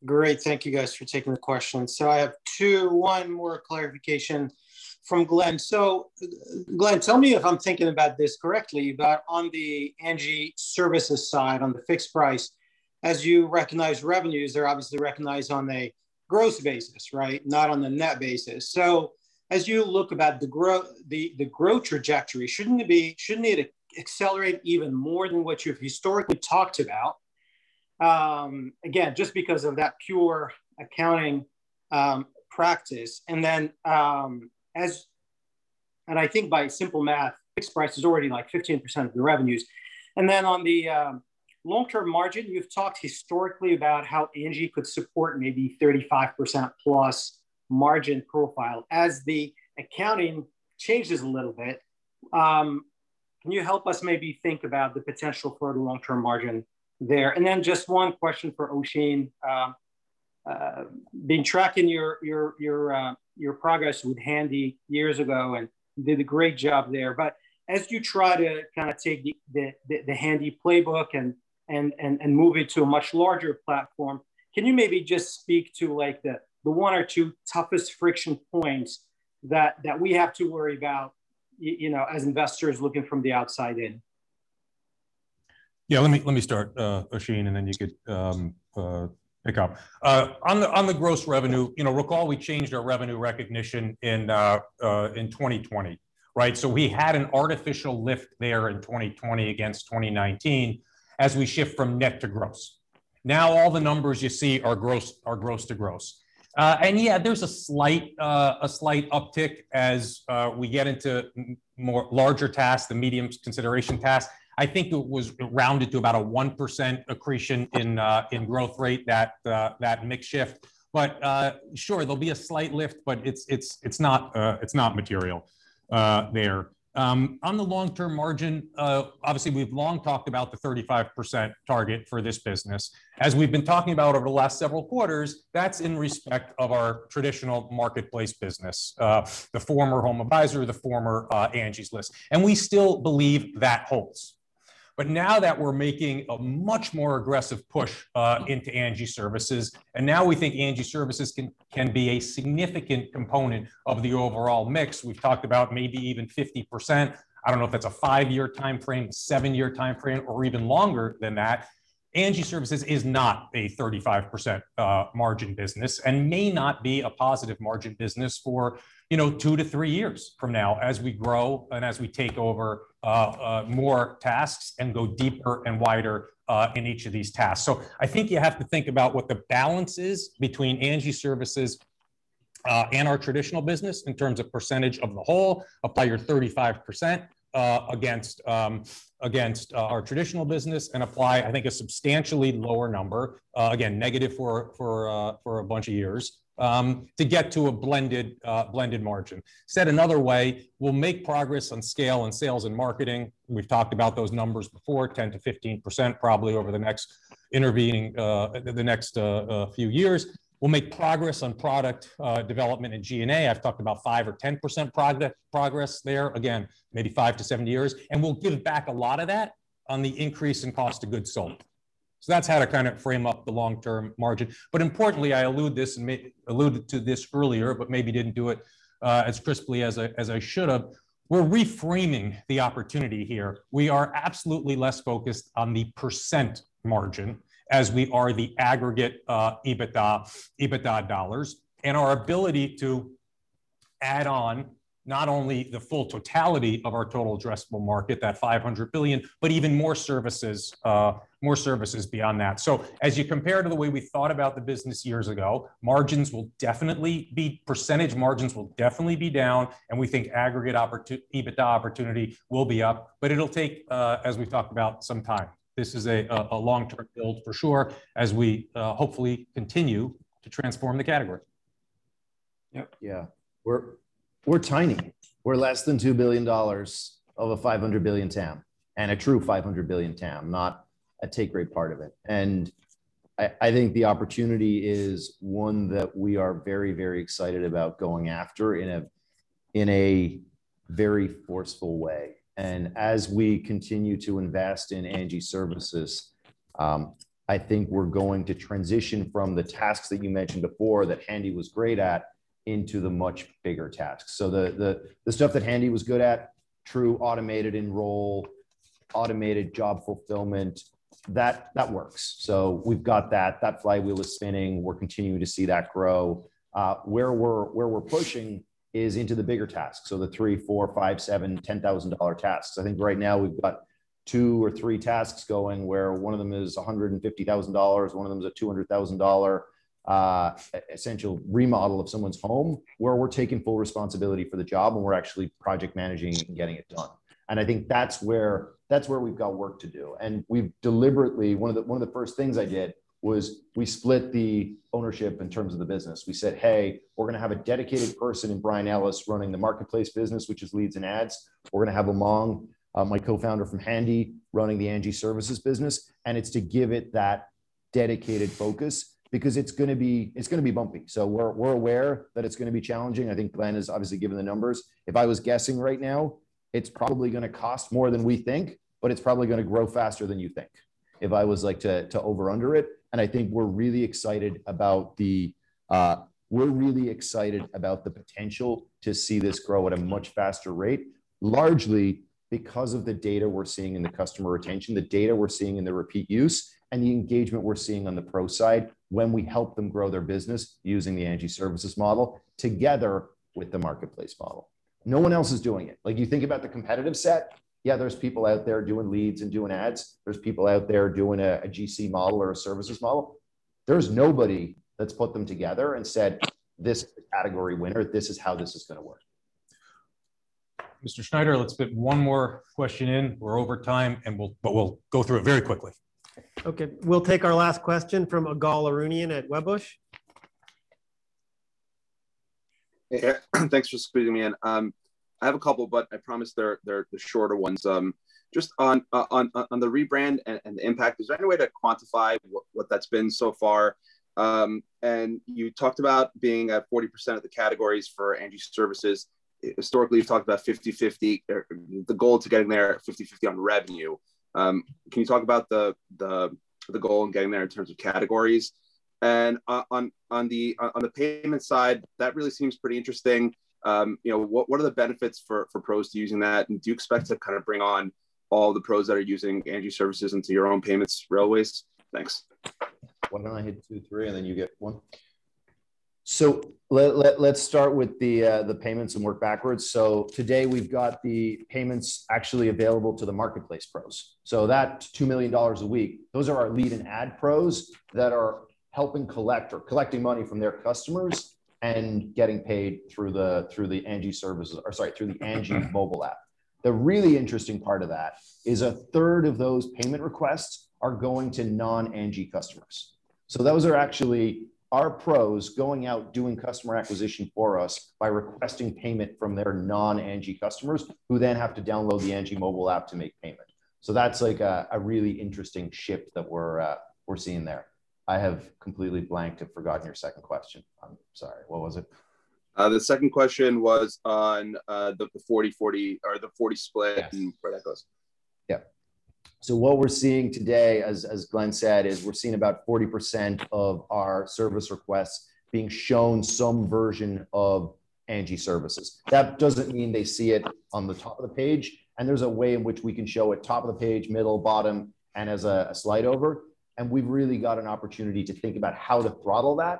Great. Thank you guys for taking the question. I have two, one more clarification from Glenn. Glenn, tell me if I'm thinking about this correctly, but on the Angi Services side, on the fixed price, as you recognize revenues, they're obviously recognized on a gross basis, right? Not on the net basis. As you look about the growth trajectory, shouldn't it accelerate even more than what you've historically talked about? Again, just because of that pure accounting practice. I think by simple math, fixed price is already like 15% of the revenues. On the long-term margin, you've talked historically about how Angi could support maybe 35% plus margin profile. As the accounting changes a little bit, can you help us maybe think about the potential for the long-term margin there? Just one question for Oisin. Been tracking your progress with Handy years ago and did a great job there. As you try to take the Handy playbook and move it to a much larger platform, can you maybe just speak to the one or two toughest friction points that we have to worry about as investors looking from the outside in? Let me start, Oisin, and then you could pick up. On the gross revenue, recall we changed our revenue recognition in 2020. We had an artificial lift there in 2020 against 2019 as we shift from net to gross. There's a slight uptick as we get into more larger tasks, the medium consideration tasks. I think it was rounded to about a 1% accretion in growth rate, that mix shift. Sure, there'll be a slight lift, but it's not material there. On the long-term margin, we've long talked about the 35% target for this business. As we've been talking about over the last several quarters, that's in respect of our traditional marketplace business, the former HomeAdvisor, the former Angi's List, and we still believe that holds. Now that we're making a much more aggressive push into Angi Services, and now we think Angi Services can be a significant component of the overall mix, we've talked about maybe even 50%. I don't know if that's a five-year timeframe, a seven-year timeframe, or even longer than that. Angi Services is not a 35% margin business and may not be a positive margin business for two to three years from now as we grow and as we take over more tasks and go deeper and wider in each of these tasks. I think you have to think about what the balance is between Angi Services and our traditional business in terms of percentage of the whole. Apply your 35% against our traditional business and apply, I think, a substantially lower number, again, negative for a bunch of years, to get to a blended margin. Said another way, we'll make progress on scale and sales and marketing. We've talked about those numbers before, 10%-15%, probably over the next few years. We'll make progress on product development and G&A. I've talked about 5% or 10% progress there, again, maybe five to seven years. We'll give back a lot of that on the increase in cost of goods sold. That's how to kind of frame up the long-term margin. Importantly, I alluded to this earlier, but maybe didn't do it as crisply as I should have. We're reframing the opportunity here. We are absolutely less focused on the percent margin as we are the aggregate EBITDA dollars and our ability to add on not only the full totality of our total addressable market, that $500 billion, but even more services beyond that. As you compare to the way we thought about the business years ago, percentage margins will definitely be down, and we think aggregate EBITDA opportunity will be up, but it'll take, as we've talked about, some time. This is a long-term build for sure as we hopefully continue to transform the category. Yeah. We're tiny. We're less than $2 billion of a 500 billion TAM, and a true 500 billion TAM, not a take rate part of it. I think the opportunity is one that we are very excited about going after in a very forceful way. As we continue to invest in Angi Services, I think we're going to transition from the tasks that you mentioned before that Handy was great at into the much bigger tasks. The stuff that Handy was good at, true automated enroll, automated job fulfillment, that works. We've got that. That flywheel is spinning. We're continuing to see that grow. Where we're pushing is into the bigger tasks. The $3,000, $4,000, $5,000, $7,000, $10,000 tasks. I think right now we've got two or three tasks going where one of them is $150,000, one of them is a $200,000 essential remodel of someone's home, where we're taking full responsibility for the job and we're actually project managing and getting it done. I think that's where we've got work to do, and we've deliberately One of the first things I did was we split the ownership in terms of the business. We said, "Hey, we're going to have a dedicated person in Bryan Ellis running the marketplace business, which is leads and ads. We're going to have Aman, my co-founder from Handy, running the Angi Services business." It's to give it that dedicated focus because it's going to be bumpy. We're aware that it's going to be challenging. I think Glenn has obviously given the numbers. If I was guessing right now, it's probably going to cost more than we think, but it's probably going to grow faster than you think, if I was to over under it. I think we're really excited about the potential to see this grow at a much faster rate, largely because of the data we're seeing in the customer retention, the data we're seeing in the repeat use, and the engagement we're seeing on the pro side when we help them grow their business using the Angi Services model together with the marketplace model. No one else is doing it. Like you think about the competitive set, yeah, there's people out there doing leads and doing ads. There's people out there doing a GC model or a services model. There's nobody that's put them together and said, "This is category winner. This is how this is going to work. Mr. Schneider, let's fit one more question in. We're over time, but we'll go through it very quickly. Okay. We'll take our last question from Ygal Arounian at Wedbush. Hey. Thanks for squeezing me in. I have a couple, but I promise they're the shorter ones. Just on the rebrand and the impact, is there any way to quantify what that's been so far? You talked about being at 40% of the categories for Angi Services. Historically, you've talked about 50/50, or the goal to getting there at 50/50 on revenue. Can you talk about the goal in getting there in terms of categories? On the payment side, that really seems pretty interesting. What are the benefits for pros to using that, and do you expect to kind of bring on all the pros that are using Angi Services into your own payments railways? Thanks. Why don't I hit two, three, and then you get one? Let's start with the payments and work backwards. Today we've got the payments actually available to the Marketplace pros. That's $2 million a week. Those are our lead and ad pros that are helping collect or collecting money from their customers and getting paid through the Angi mobile app. The really interesting part of that is a third of those payment requests are going to non-Angi customers. Those are actually our pros going out doing customer acquisition for us by requesting payment from their non-Angi customers, who then have to download the Angi mobile app to make payment. That's a really interesting shift that we're seeing there. I have completely blanked and forgotten your second question. I'm sorry. What was it? The second question was on the 40 split and where that goes. What we're seeing today, as Glenn said, is we're seeing about 40% of our service requests being shown some version of Angi Services. That doesn't mean they see it on the top of the page, and there's a way in which we can show it top of the page, middle, bottom, and as a slide over, and we've really got an opportunity to think about how to throttle that.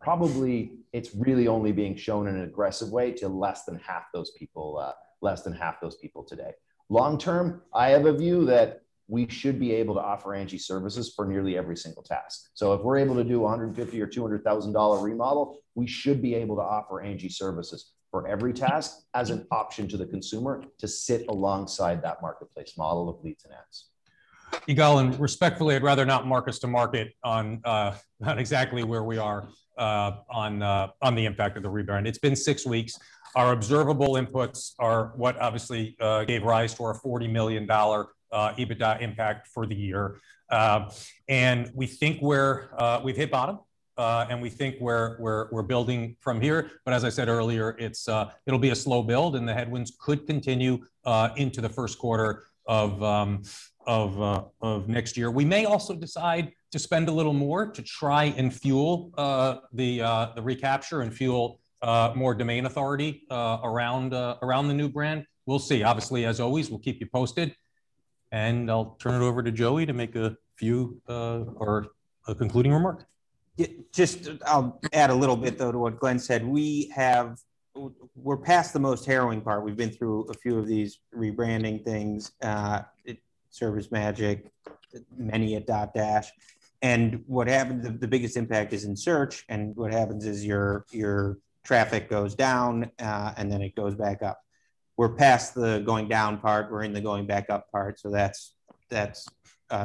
Probably, it's really only being shown in an aggressive way to less than half those people today. Long term, I have a view that we should be able to offer Angi Services for nearly every single task. If we're able to do $150,000 or $200,000 remodel, we should be able to offer Angi Services for every task as an option to the consumer to sit alongside that marketplace model of leads and ads. Ygal, respectfully, I'd rather not mark us to market on exactly where we are on the impact of the rebrand. It's been six weeks. Our observable inputs are what obviously gave rise to our $40 million EBITDA impact for the year. We think we've hit bottom, and we think we're building from here. As I said earlier, it'll be a slow build, and the headwinds could continue into the first quarter of next year. We may also decide to spend a little more to try and fuel the recapture and fuel more domain authority around the new brand. We'll see. Obviously, as always, we'll keep you posted, and I'll turn it over to Joey to make a few concluding remarks. Yeah. Just I'll add a little bit, though, to what Glenn said. We're past the most harrowing part. We've been through a few of these rebranding things, ServiceMagic, many at Dotdash. The biggest impact is in search, and what happens is your traffic goes down, and then it goes back up. We're past the going down part. We're in the going back up part, so that's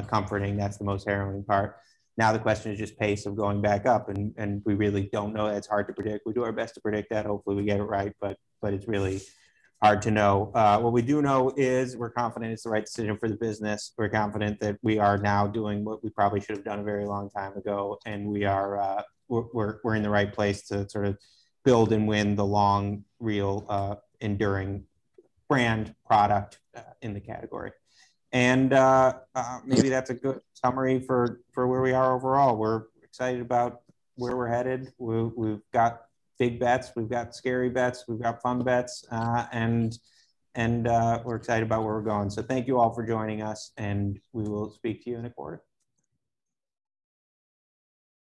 comforting. That's the most harrowing part. Now the question is just pace of going back up, and we really don't know. That's hard to predict. We do our best to predict that. Hopefully, we get it right, but it's really hard to know. What we do know is we're confident it's the right decision for the business. We're confident that we are now doing what we probably should've done a very long time ago, and we're in the right place to sort of build and win the long, real, enduring brand product in the category. Maybe that's a good summary for where we are overall. We're excited about where we're headed. We've got big bets. We've got scary bets. We've got fun bets, and we're excited about where we're going. Thank you all for joining us, and we will speak to you in a quarter.